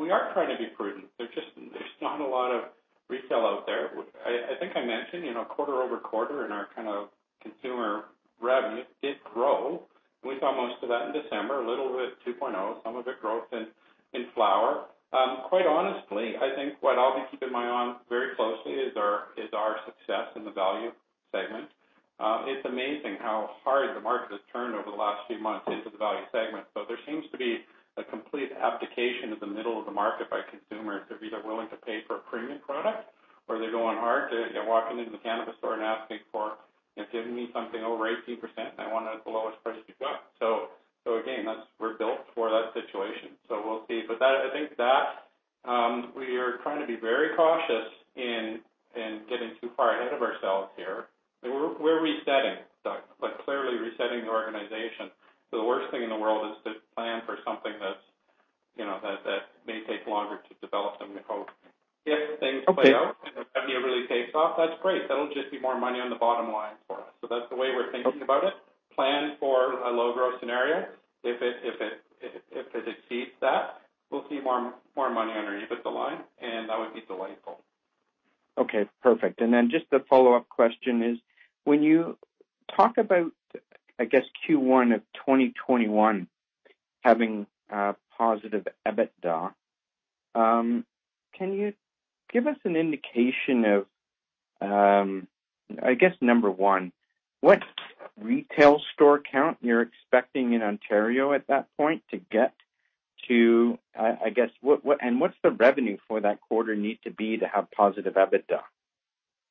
We are trying to be prudent. There's not a lot of retail out there. I think I mentioned, quarter-over-quarter in our kind of consumer revenue did grow, and we saw most of that in December, a little bit 2.0, some of it growth in flower. Quite honestly, I think what I'll be keeping my eye on very closely is our success in the value segment. It's amazing how hard the market has turned over the last few months into the value segment. There seems to be a complete abdication of the middle of the market by consumers. They're either willing to pay for a premium product or they're going hard. They're walking into the cannabis store and asking for, "Give me something over 18%, and I want it at the lowest price you got." Again, we're built for that situation, so we'll see. I think that we are trying to be very cautious in getting too far ahead of ourselves here. We're resetting, Doug. Like clearly resetting the organization. The worst thing in the world is to plan for something that may take longer to develop than we hope. If things play out and the revenue really takes off, that's great. That'll just be more money on the bottom line for us. That's the way we're thinking about it. Plan for a low growth scenario. If it exceeds that, we'll see more money underneath the line, and that would be delightful. Okay, perfect. Just a follow-up question is, when you talk about, I guess, Q1 of 2021 having a positive EBITDA, can you give us an indication of, I guess number one, what retail store count you're expecting in Ontario at that point to get to, I guess. What's the revenue for that quarter need to be to have positive EBITDA?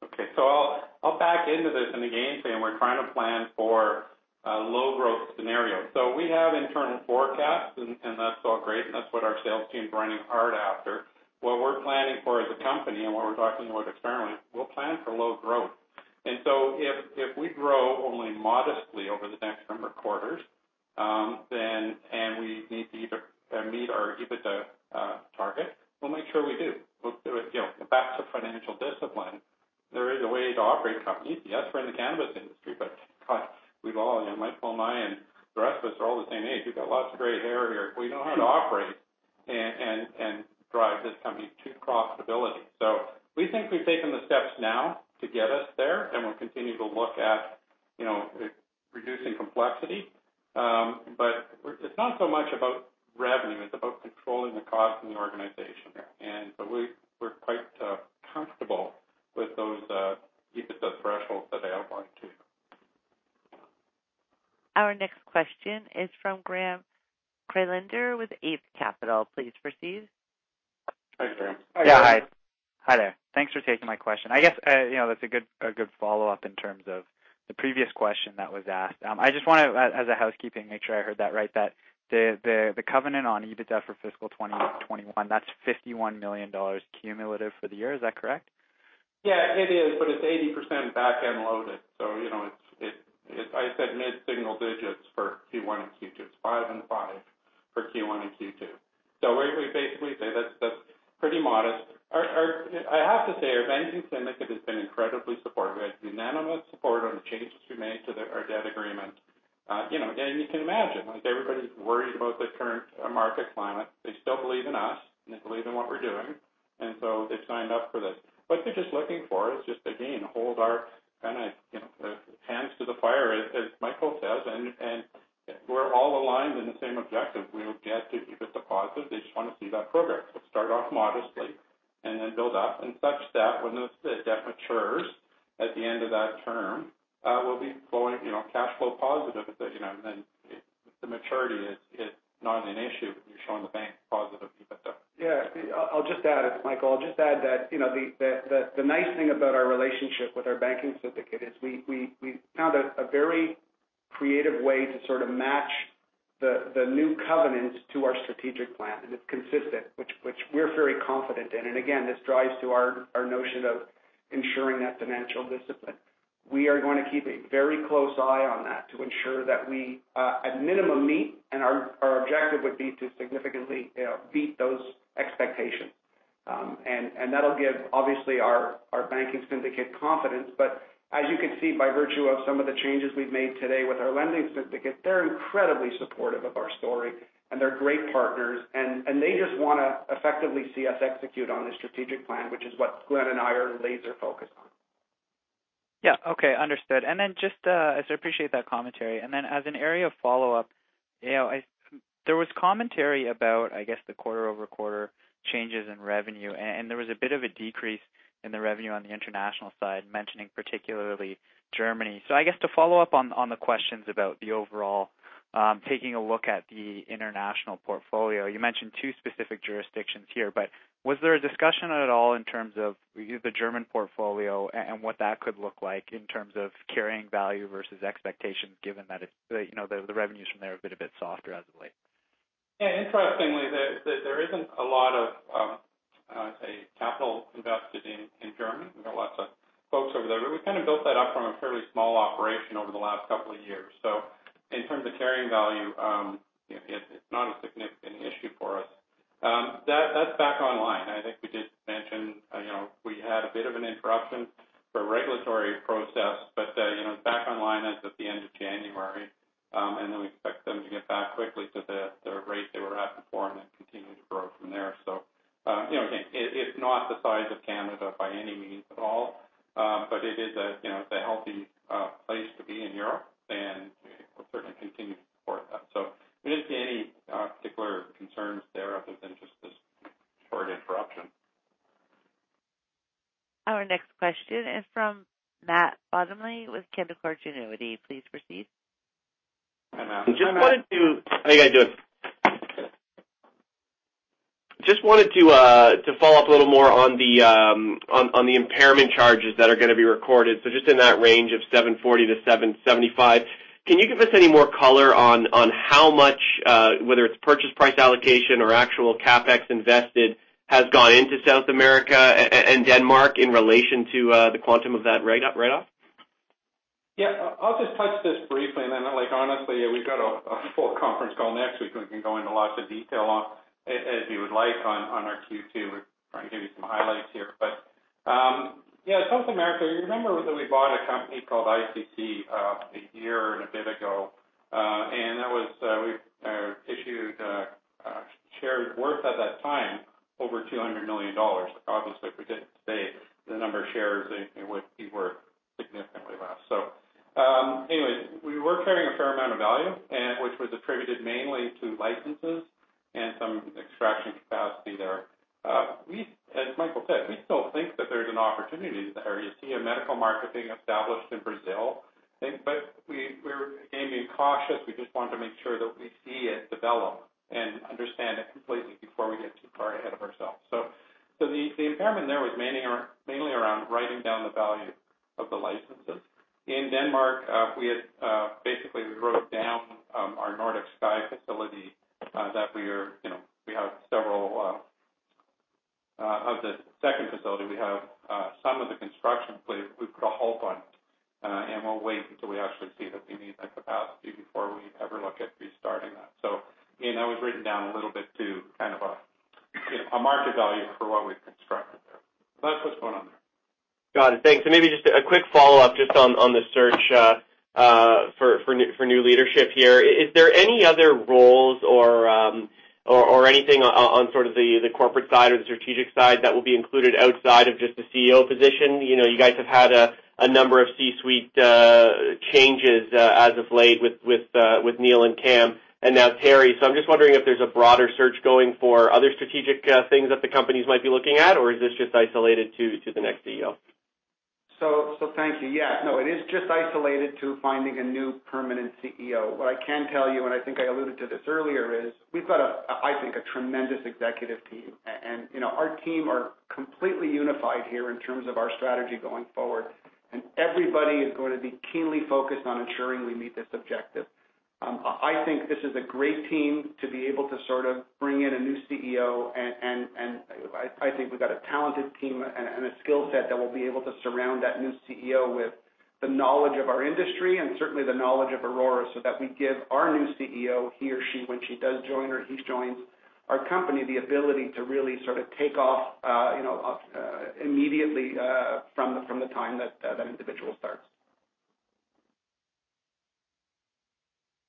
Okay. I'll back into this. In the game plan, we're trying to plan for a low growth scenario. We have internal forecasts, and that's all great, and that's what our sales team's running hard after. What we're planning for as a company and what we're talking about with the analysts, we'll plan for low growth. If we grow only modestly over the next number of quarters, and we need to either meet or exceed the target, we'll make sure we do. Back to financial discipline. There is a way to operate companies. Yes, we're in the cannabis industry, but we've all, Michael and I and the rest of us are all the same age. We've got lots of gray hair here. We know how to operate and drive this company to profitability. We think we've taken the steps now to get us there, and we'll continue to look at reducing complexity. It's not so much about revenue, it's about controlling the cost in the organization. We're quite comfortable with those EBITDA thresholds that I outlined to you. Our next question is from Graeme Kreindler with Eight Capital. Please proceed. Hi, Graeme. Yeah, hi. Hi there. Thanks for taking my question. I guess, that's a good follow-up in terms of the previous question that was asked. I just want to, as a housekeeping, make sure I heard that right, that the covenant on EBITDA for fiscal 2021, that's 51 million dollars cumulative for the year. Is that correct? Yeah, it is, but it's 80% back-end loaded. I said mid-single digits for Q1 and Q2. It's 5% and 5% for Q1 and Q2. We basically say that's pretty modest. I have to say, our banking syndicate has been incredibly supportive. We had unanimous support on the changes we made to our debt agreement. You can imagine, everybody's worried about the current market climate. They still believe in us, and they believe in what we're doing, and so they've signed up for this. What they're just looking for is just, again, hold our feet to the fire, as Michael says, and we're all aligned in the same objective. We will get to EBITDA positive. They just want to see that progress. Start off modestly, and then build up so that when the debt matures at the end of that term, we'll be cash flow positive. The maturity is not an issue when you're showing the bank positive EBITDA. Yeah, I'll just add, it's Michael, that the nice thing about our relationship with our banking syndicate is we found a very creative way to sort of match the new covenants to our strategic plan, and it's consistent, which we're very confident in. This drives to our notion of ensuring that financial discipline. We are going to keep a very close eye on that to ensure that we at minimum meet, and our objective would be to significantly beat those expectations. That'll give, obviously, our banking syndicate confidence. As you can see, by virtue of some of the changes we've made today with our lending syndicate, they're incredibly supportive of our story, and they're great partners, and they just want to effectively see us execute on the strategic plan, which is what Glen and I are laser focused on. Yeah. Okay. Understood. I appreciate that commentary. Then as an area of follow-up, there was commentary about, I guess, the quarter-over-quarter changes in revenue, and there was a bit of a decrease in the revenue on the international side, mentioning particularly Germany. I guess to follow up on the questions about the overall, taking a look at the international portfolio, you mentioned two specific jurisdictions here, but was there a discussion at all in terms of the German portfolio and what that could look like in terms of carrying value versus expectations, given that the revenues from there have been a bit softer as of late? Yeah. Interestingly, there isn't a lot of, I'd say, capital invested in Germany. We've got lots of folks over there, but we kind of built that up from a fairly small operation over the last couple of years. In terms of carrying value, it's not a significant issue for us. That's back online. I think we did mention we had a bit of an interruption for regulatory process, but it's back online as of the end of January, and then we expect them to get back quickly to the rate they were at before and then continue to grow from there. It's not the size of Canada by any means at all. It is a healthy place to be in Europe, and we'll certainly continue to support that. We didn't see any particular concerns there other than just this short interruption. Our next question is from Matt Bottomley with Canaccord Genuity. Please proceed. Hi, Matt. Just wanted to. How you guys doing? Just wanted to follow up a little more on the impairment charges that are going to be recorded, so just in that range of 740 million-775 million. Can you give us any more color on how much, whether it's purchase price allocation or actual CapEx invested, has gone into South America and Denmark in relation to the quantum of that write-off? Yeah. I'll just touch this briefly, and then, honestly, we've got a full conference call next week we can go into lots of detail on, as you would like on our Q2. We're trying to give you some highlights here. Yeah, South America, you remember that we bought a company called ICC a year and a bit ago. That was issued shares worth at that time over CAD 200 million. Obviously, if we did it today, the number of shares, it would be worth significantly less. Anyway, we were carrying a fair amount of value, which was attributed mainly to licenses and some extraction capacity there. As Michael said, we still think that there's an opportunity there. You see a medical market being established in Brazil. We're being cautious. We just want to make sure that we see it develop and understand it completely before we get too far ahead of ourselves. The impairment there was mainly around writing down the value of the licenses. In Denmark, basically, we wrote down our Aurora Nordic facility that we have, as well as the second facility. We have some of the construction, but we've put a hold on it, and we'll wait until we actually see that we need that capacity before we ever look at restarting that. That was written down a little bit to kind of a market value for what we've constructed there. That's what's going on there. Got it. Thanks. Maybe just a quick follow-up just on the search for new leadership here. Is there any other roles or anything on sort of the corporate side or the strategic side that will be included outside of just the CEO position? You guys have had a number of C-suite changes as of late with Neil and Cam and now Terry. I'm just wondering if there's a broader search going for other strategic things that the companies might be looking at, or is this just isolated to the next CEO? Thank you. Yeah, no, it is just isolated to finding a new permanent CEO. What I can tell you, and I think I alluded to this earlier, is we've got, I think, a tremendous executive team. Our team are completely unified here in terms of our strategy going forward. Everybody is going to be keenly focused on ensuring we meet this objective. I think this is a great team to be able to bring in a new CEO, and I think we've got a talented team and a skill set that will be able to surround that new CEO with the knowledge of our industry and certainly the knowledge of Aurora, so that we give our new CEO, he or she, when she does join or he joins our company, the ability to really take off immediately from the time that that individual starts.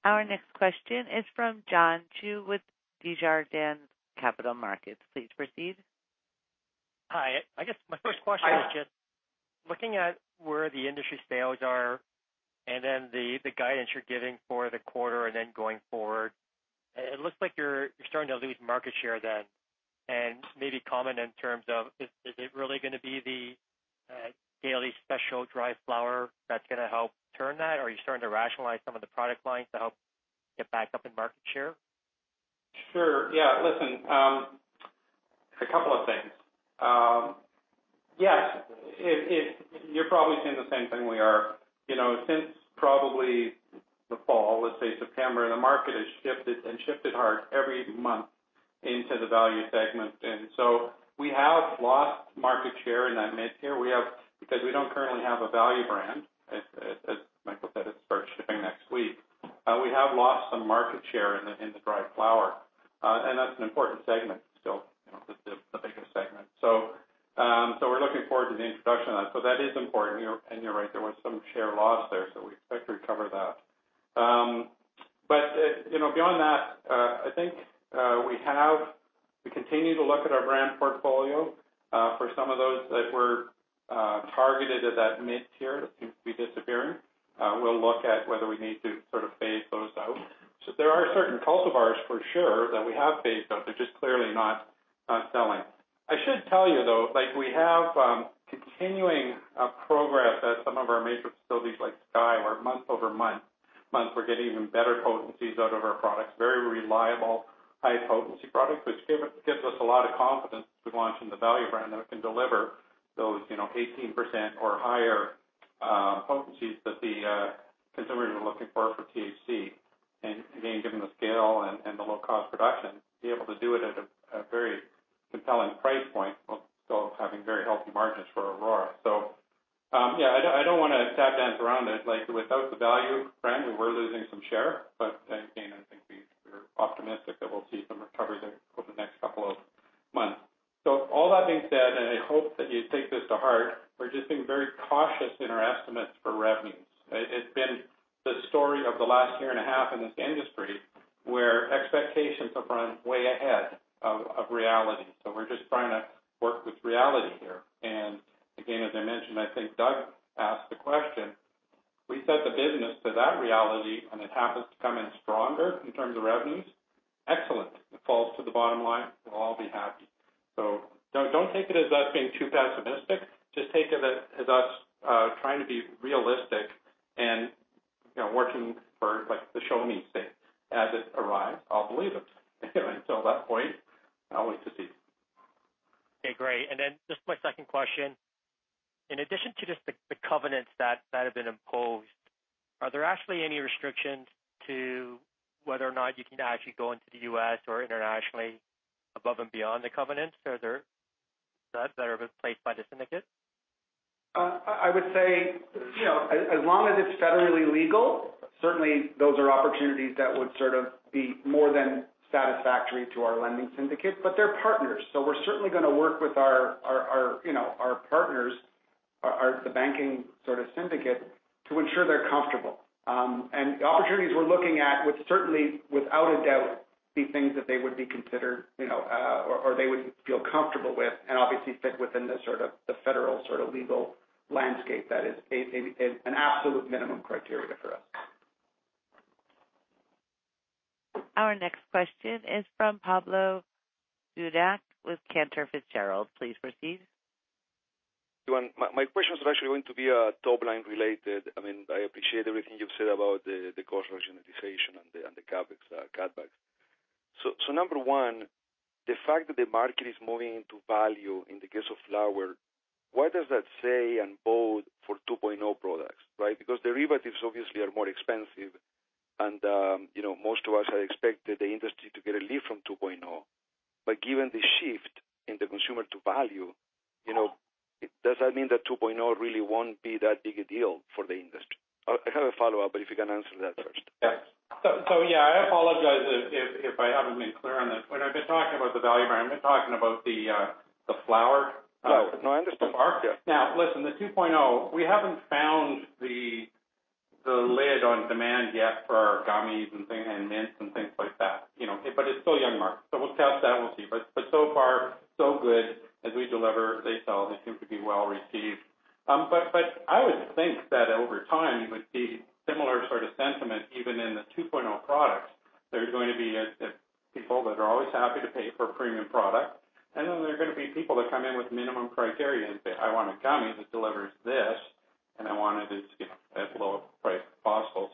Our next question is from John Chu with Desjardins Capital Markets. Please proceed. Hi. I guess my first question is just looking at where the industry sales are and then the guidance you're giving for the quarter and then going forward, it looks like you're starting to lose market share then, and maybe comment in terms of, is it really going to be the Daily Special dry flower that's going to help turn that or are you starting to rationalize some of the product lines to help get back up in market share? Sure. Yeah. Listen, a couple of things. Yes. You're probably seeing the same thing we are. Since probably the fall, let's say September, the market has shifted and shifted hard every month into the value segment. We have lost market share in that mid-tier. Because we don't currently have a value brand, as Michael said, it starts shipping next week. We have lost some market share in the dried flower. That's an important segment still, the biggest segment. We're looking forward to the introduction of that. That is important. You're right, there was some share loss there, so we expect to recover that. Beyond that, I think we continue to look at our brand portfolio for some of those that were targeted at that mid-tier that seems to be disappearing. We'll look at whether we need to phase those out. There are certain cultivars for sure that we have phased out. They're just clearly not selling. I should tell you, though, we have continuing progress at some of our major facilities like Sky, where month-over-month, we're getting even better potencies out of our products. Very reliable, high-potency products, which gives us a lot of confidence as we launch in the value brand that we can deliver those 18% or higher potencies that the consumers are looking for THC. And again, given the scale and the low-cost production, be able to do it at a very compelling price point while still having very healthy margins for Aurora. Yeah, I don't want to tap dance around it. Without the value brand, we're losing some share. Again, I think we're optimistic that we'll see some recovery there over the next couple of months. All that being said, and I hope that you take this to heart, we're just being very cautious in our estimates for revenues. It's been the story of the last year and a half in this industry where expectations have run way ahead of reality. We're just trying to work with reality here. Again, as I mentioned, I think Doug asked the question. We set the business to that reality, and it happens to come in stronger in terms of revenues. Excellent. If it falls to the bottom line, we'll all be happy. Don't take it as us being too pessimistic. Just take it as us trying to be realistic and working for the Show-Me State. As it arrives, I'll believe it. Until that point, I'll wait to see. Okay, great. Just my second question. In addition to just the covenants that have been imposed, are there actually any restrictions to whether or not you can actually go into the U.S. or internationally above and beyond the covenants that are in place by the syndicate? I would say, as long as it's federally legal, certainly those are opportunities that would be more than satisfactory to our lending syndicate, but they're partners. So we're certainly going to work with our partners, the banking syndicate, to ensure they're comfortable. The opportunities we're looking at would certainly, without a doubt, be things that they would be considered or they would feel comfortable with and obviously fit within the federal legal landscape. That is an absolute minimum criteria for us. Our next question is from Pablo Zuanic with Cantor Fitzgerald. Please proceed. Glen, my question is actually going to be top-line related. I appreciate everything you've said about the cost rationalization and the CapEx cutbacks. Number one, the fact that the market is moving into value in the case of flower, what does that say and bode for 2.0 products, right? Because derivatives obviously are more expensive and most of us had expected the industry to get a lift from 2.0. Given the shift in the consumer to value, does that mean that 2.0 really won't be that big a deal for the industry? I have a follow-up, but if you can answer that first. I apologize if I haven't been clear on this. When I've been talking about the value brand, I've been talking about the flower. No, I understand. Now, listen, the 2.0, we haven't found the lid on demand yet for our gummies and mints and things like that. It's still a young market, so we'll test that, and we'll see. So far, so good. As we deliver, they sell. They seem to be well-received. I would think that over time, you would see similar sort of sentiment even in the 2.0 products. There's going to be people that are always happy to pay for a premium product, and then there are going to be people that come in with minimum criteria and say, "I want a gummy that delivers this, and I want it at the lowest price possible."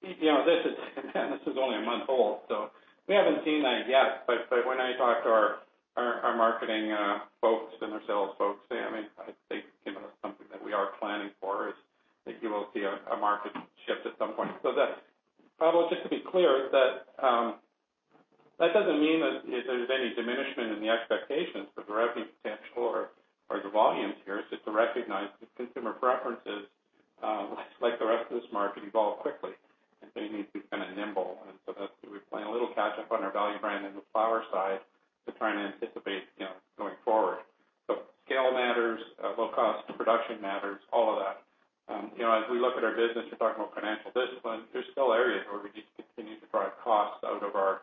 This is only a month old, so we haven't seen that yet. When I talk to our marketing folks and our sales folks, they came up with something that we are planning for, is I think you will see a market shift at some point. That, Pablo, just to be clear, that doesn't mean that there's any diminishment in the expectations for the revenue potential or the volumes here. It's to recognize that consumer preferences, like the rest of this market, evolve quickly, and so you need to be kind of nimble. That's why we're playing a little catch-up on our value brand in the flower side to try and anticipate going forward. Scale matters, low cost of production matters, all of that. As we look at our business, you're talking about financial discipline, there's still areas where we need to continue to drive costs out of our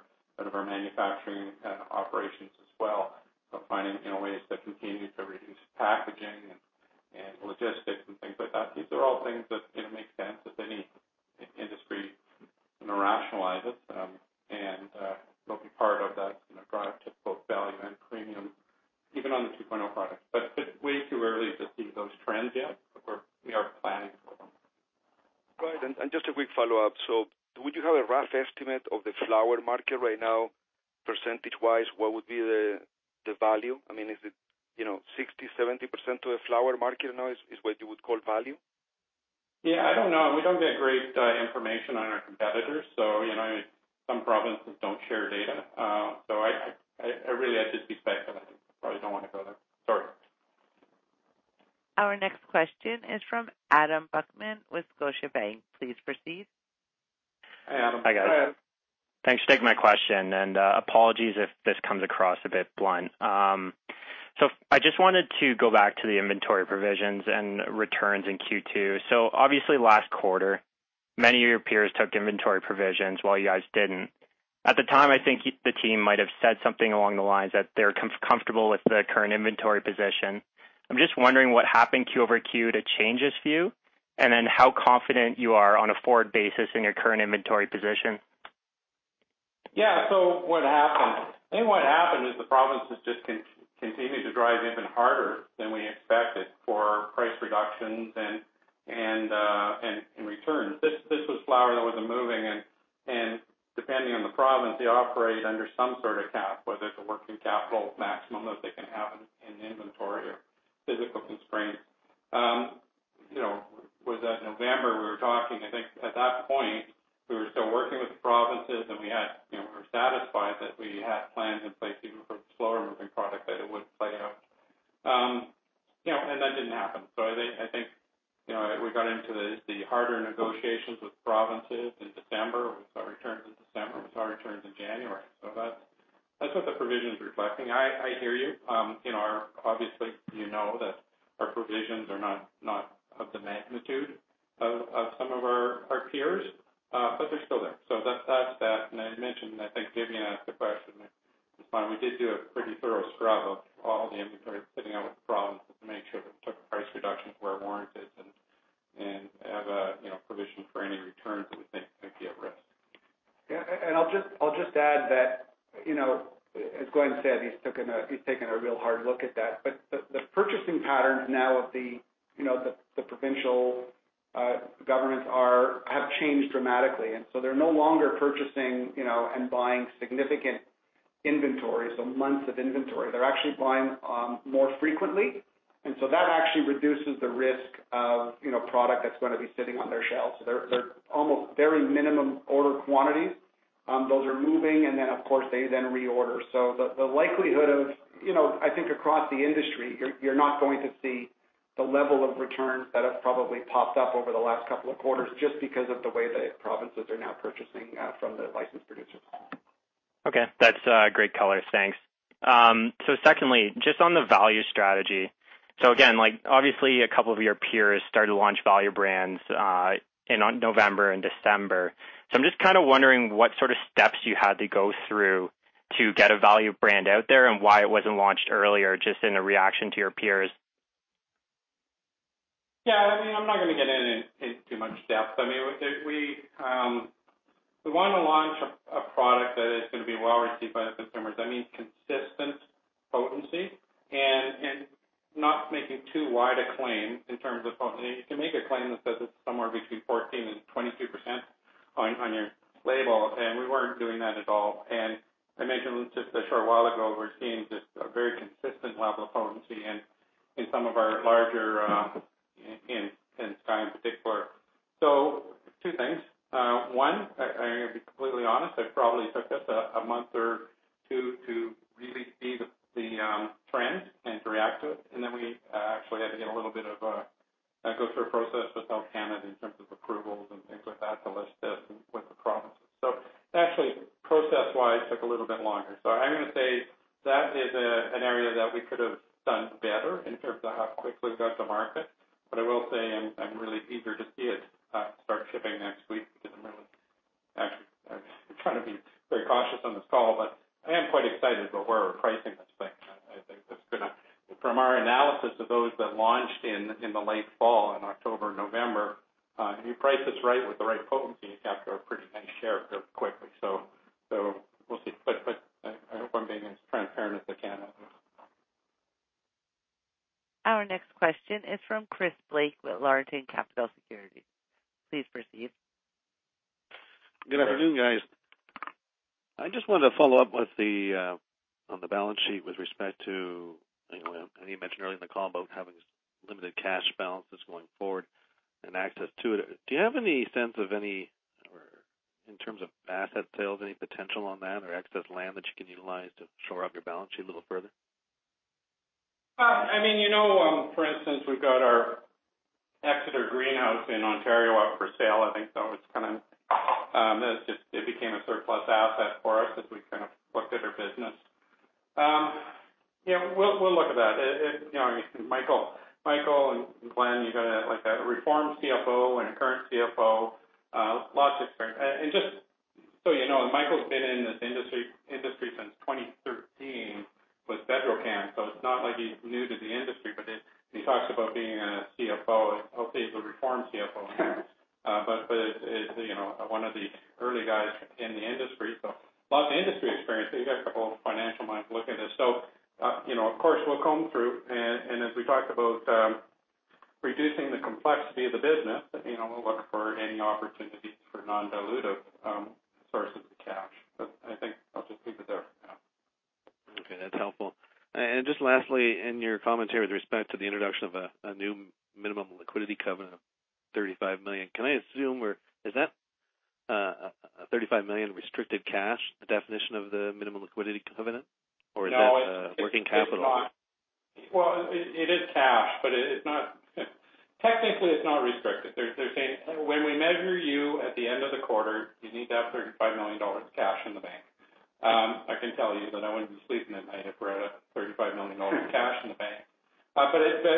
manufacturing and operations as well, so finding ways to continue to reduce packaging and logistics and things like that. These are all things that make sense as any industry rationalizes them, and they'll be part of that drive to both value and premium, even on the 2.0 products. Way too early to see those trends yet, but we are planning for them. Right. Just a quick follow-up. Would you have a rough estimate of the flower market right now, percentage-wise? What would be the value? I mean, is it 60%, 70% to a flower market now is what you would call value? Yeah, I don't know. We don't get great information on our competitors. Some provinces don't share data. I really, I'd just be speculating. Probably don't want to go there. Sorry. Our next question is from Adam Buckman with Scotiabank. Please proceed. Hey, Adam. Hi, guys. Thanks for taking my question, and apologies if this comes across a bit blunt. I just wanted to go back to the inventory provisions and returns in Q2. Obviously last quarter, many of your peers took inventory provisions while you guys didn't. At the time, I think the team might have said something along the lines that they're comfortable with the current inventory position. I'm just wondering what happened Q-over-Q to change this view, and then how confident you are on a forward basis in your current inventory position. Yeah. What happened. I think what happened is the provinces just continued to drive even harder than we expected for price reductions and returns. This was flower that wasn't moving, and depending on the province, they operate under some sort of cap, whether it's a working capital maximum that they can have in inventory or physical constraints. Was that November we were talking, I think at that point, we were still working with the provinces and we were satisfied that we had plans in place even for slower moving product, that it would play out. That didn't happen. I think, we got into the harder negotiations with provinces in December. We saw returns in December. We saw returns in January. That's what the provision's reflecting. I hear you. Obviously, you know that our provisions are not of the magnitude of some of our peers. They're still there. That's that. I mentioned, I think Vivian Azer asked the question, we did do a pretty thorough scrub of all the inventory sitting out with the provinces to make sure that we took price reductions where warranted and have a provision for any returns that we think might be at risk. I'll just add that, as Glen said, he's taken a real hard look at that. The purchasing patterns now of the provincial governments have changed dramatically. They're no longer purchasing and buying significant inventory, so months of inventory. They're actually buying more frequently. That actually reduces the risk of product that's going to be sitting on their shelves. They're almost very minimum order quantities. Those are moving, and then of course, they then reorder. The likelihood of, I think across the industry, you're not going to see the level of returns that have probably popped up over the last couple of quarters just because of the way the provinces are now purchasing from the licensed producers. Okay. That's great color. Thanks. Secondly, just on the value strategy. Again, obviously a couple of your peers started to launch value brands in November and December. I'm just kind of wondering what sort of steps you had to go through to get a value brand out there, and why it wasn't launched earlier, just in a reaction to your peers. Yeah. I mean, I'm not going to get in too much depth. I mean, we want to launch a product that is going to be well-received by the consumers. That means consistent potency and not making too wide a claim in terms of potency. You can make a claim that says it's somewhere between 14%-22% on your label, and we weren't doing that at all. I mentioned just a short while ago, we're seeing just a very consistent level of potency in some of our larger, in Sky in particular. Two things. One, I'm going to be completely honest, it probably took us a month or two to really see the trend and to react to it. Then we actually had to go through a process with Health Canada in terms of approvals and things like that to list it with the provinces. Actually, process-wise, took a little bit longer. I'm going to say that is an area that we could have done better in terms of how quickly we got to market. I will say I'm really eager to see it start shipping next week because I'm really Actually, I'm trying to be very cautious on this call, but I am quite excited about where we're pricing this thing. From our analysis of those that launched in the late fall, in October, November, if you price this right with the right potency, you capture a pretty nice share quickly. We'll see. I hope I'm being as transparent as I can. Our next question is from Chris Blake with Laurentian Bank Securities. Please proceed. Good afternoon, guys. I just wanted to follow up on the balance sheet with respect to, I know you mentioned earlier in the call about having limited cash balances going forward and access to it. Do you have any sense of any, or in terms of asset sales, any potential on that or excess land that you can utilize to shore up your balance sheet a little further? For instance, we've got our Exeter Greenhouse in Ontario up for sale, I think. It became a surplus asset for us as we kind of looked at our business. We'll look at that. Michael and Glen, you got a reformed CFO and a current CFO, lots of experience. Just so you know, Michael's been in this industry since 2013 with Bedrocan, so it's not like he's new to the industry. He talks about being a CFO, hopefully as a reformed CFO. As one of the early guys in the industry, so lots of industry experience. You got a couple of financial minds looking at this. Of course, we'll comb through and as we talked about, reducing the complexity of the business, we'll look for any opportunities for non-dilutive sources of cash. I think I'll just leave it there for now. Okay, that's helpful. Just lastly, in your commentary with respect to the introduction of a new minimum liquidity covenant of 35 million, can I assume, or is that 35 million restricted cash, the definition of the minimum liquidity covenant? Or is that working capital? Well, it is cash, but technically, it's not restricted. They're saying, "When we measure you at the end of the quarter, you need to have 35 million dollars cash in the bank." I can tell you that I wouldn't be sleeping at night if we're at a 35 million dollar cash in the bank.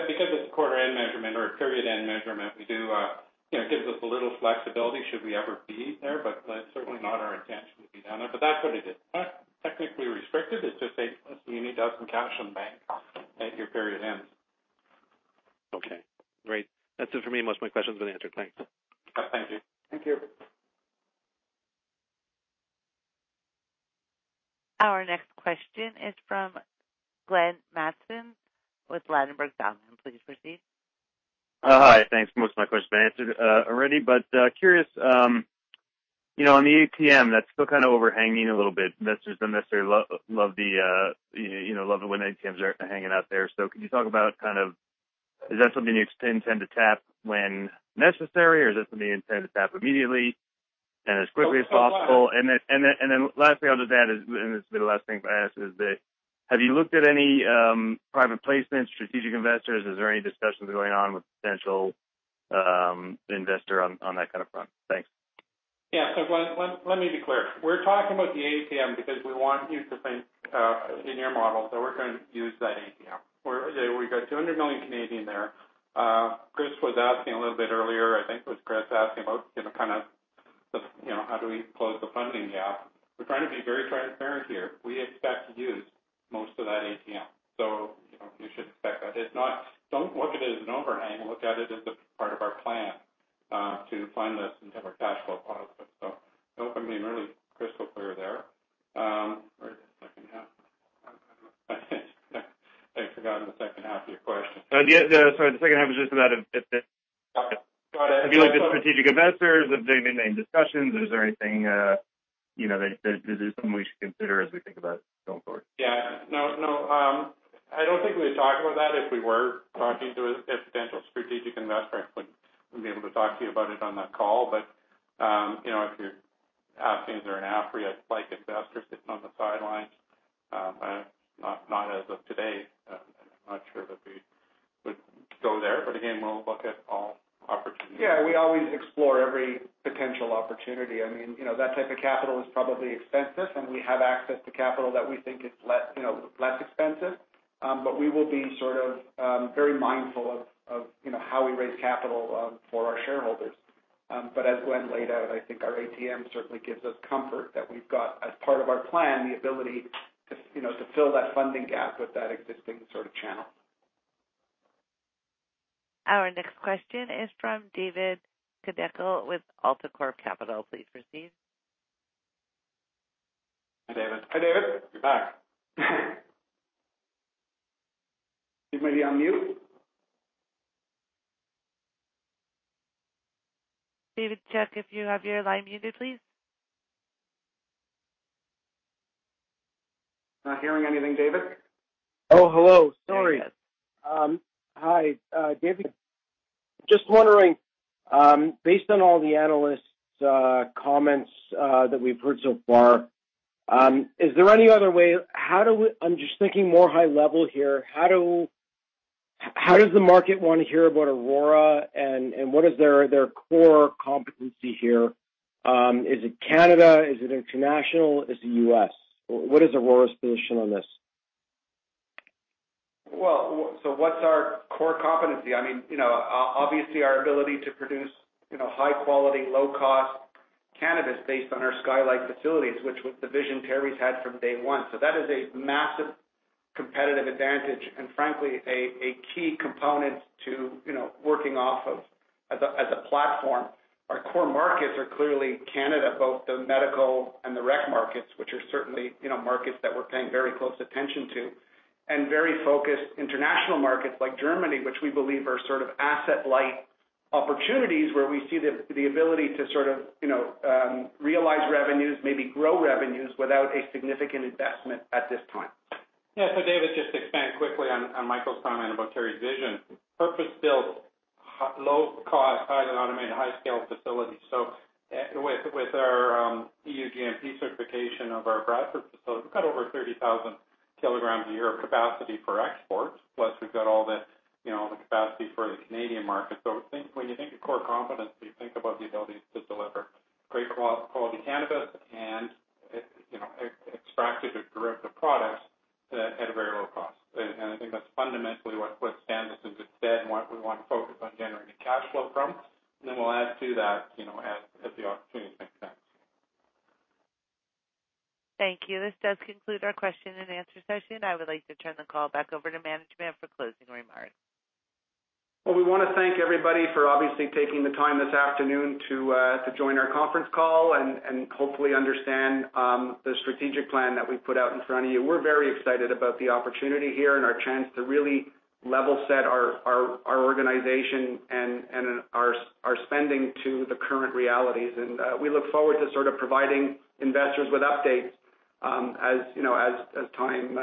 Because it's a quarter-end measurement or a period-end measurement, it gives us a little flexibility should we ever be there. That's certainly not our intention to be down there. That's what it is. It's not technically restricted, it's just saying, "You need to have some cash in the bank at your period end. Okay, great. That's it for me. Most of my questions have been answered. Thanks. Thank you. Thank you. Our next question is from Glenn Mattson with Ladenburg Thalmann. Please proceed. Hi. Thanks. Most of my questions have been answered already. Curious, on the ATM, that's still kind of overhanging a little bit. Investors don't necessarily love it when ATMs are hanging out there. Can you talk about, is that something you intend to tap when necessary, or is it something you intend to tap immediately and as quickly as possible? Lastly, I'll just add, and this will be the last thing if I ask is that have you looked at any private placements, strategic investors? Is there any discussions going on with potential investor on that kind of front? Thanks. Yeah. Glenn, let me be clear. We're talking about the ATM because we want you to think in your model that we're going to use that ATM, where we got 200 million there. Chris was asking a little bit earlier, I think it was Chris asking about how do we close the funding gap. We're trying to be very transparent here. We expect to use most of that ATM. You should expect that. Don't look at it as an overhang. Look at it as a part of our plan to fund this and have our cash flow positive. I hope I'm being really crystal clear there. Wait a second now. I forgot the second half of your question. Sorry, the second half is just about. Go ahead. If you looked at strategic investors, if there's been any discussions, is there anything that we should consider as we think about going forward? Yeah. No, I don't think we would talk about that if we were talking to a potential strategic investor. I wouldn't be able to talk to you about it on that call. If you're asking, is there an Altria-like investor sitting on the sidelines? Not as of today. I'm not sure that we would go there. Again, we'll look at all opportunities. Yeah, we always explore every potential opportunity. That type of capital is probably expensive, and we have access to capital that we think is less expensive. We will be very mindful of how we raise capital for our shareholders. As Glen laid out, I think our ATM certainly gives us comfort that we've got, as part of our plan, the ability to fill that funding gap with that existing sort of channel. Our next question is from David Kideckel with AltaCorp Capital. Please proceed. Hi, David. Hi, David. You're back. You may be on mute. David, check if you have your line muted, please. Not hearing anything, David. Oh, hello. Sorry. Hi, it's David. Just wondering, based on all the analysts' comments that we've heard so far, is there any other way? I'm just thinking more high level here. How does the market want to hear about Aurora, and what is their core competency here? Is it Canada? Is it international? Is it U.S.? What is Aurora's position on this? Well, what's our core competency? Obviously, our ability to produce high quality, low cost Cannabis based on our Sky-like facilities, which was the vision Terry's had from day one. That is a massive competitive advantage and frankly, a key component to working off of as a platform. Our core markets are clearly Canada, both the medical and the rec markets, which are certainly markets that we're paying very close attention to, and very focused international markets like Germany, which we believe are sort of asset-light opportunities where we see the ability to realize revenues, maybe grow revenues without a significant investment at this point. Yeah. David, just to expand quickly on Michael's comment about Terry's vision. Purpose-built, low cost, highly automated, high-scale facilities. With our EU GMP certification of our Bradford facility, we've got over 30,000 kg a year of capacity for exports, plus we've got all the capacity for the Canadian market. When you think of core competency, think about the ability to deliver great quality cannabis and extracted or derivative products at a very low cost. I think that's fundamentally what stands us in good stead and what we want to focus on generating cash flow from. Then we'll add to that as the opportunity makes sense. Thank you. This does conclude our question-and-answer session. I would like to turn the call back over to management for closing remarks. Well, we want to thank everybody for obviously taking the time this afternoon to join our conference call and hopefully understand the strategic plan that we've put out in front of you. We're very excited about the opportunity here and our chance to really level set our organization and our spending to the current realities. We look forward to providing investors with updates as time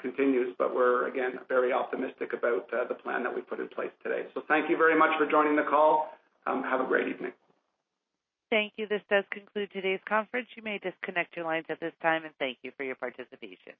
continues. We're, again, very optimistic about the plan that we've put in place today. Thank you very much for joining the call. Have a great evening. Thank you. This does conclude today's conference. You may disconnect your lines at this time and thank you for your participation.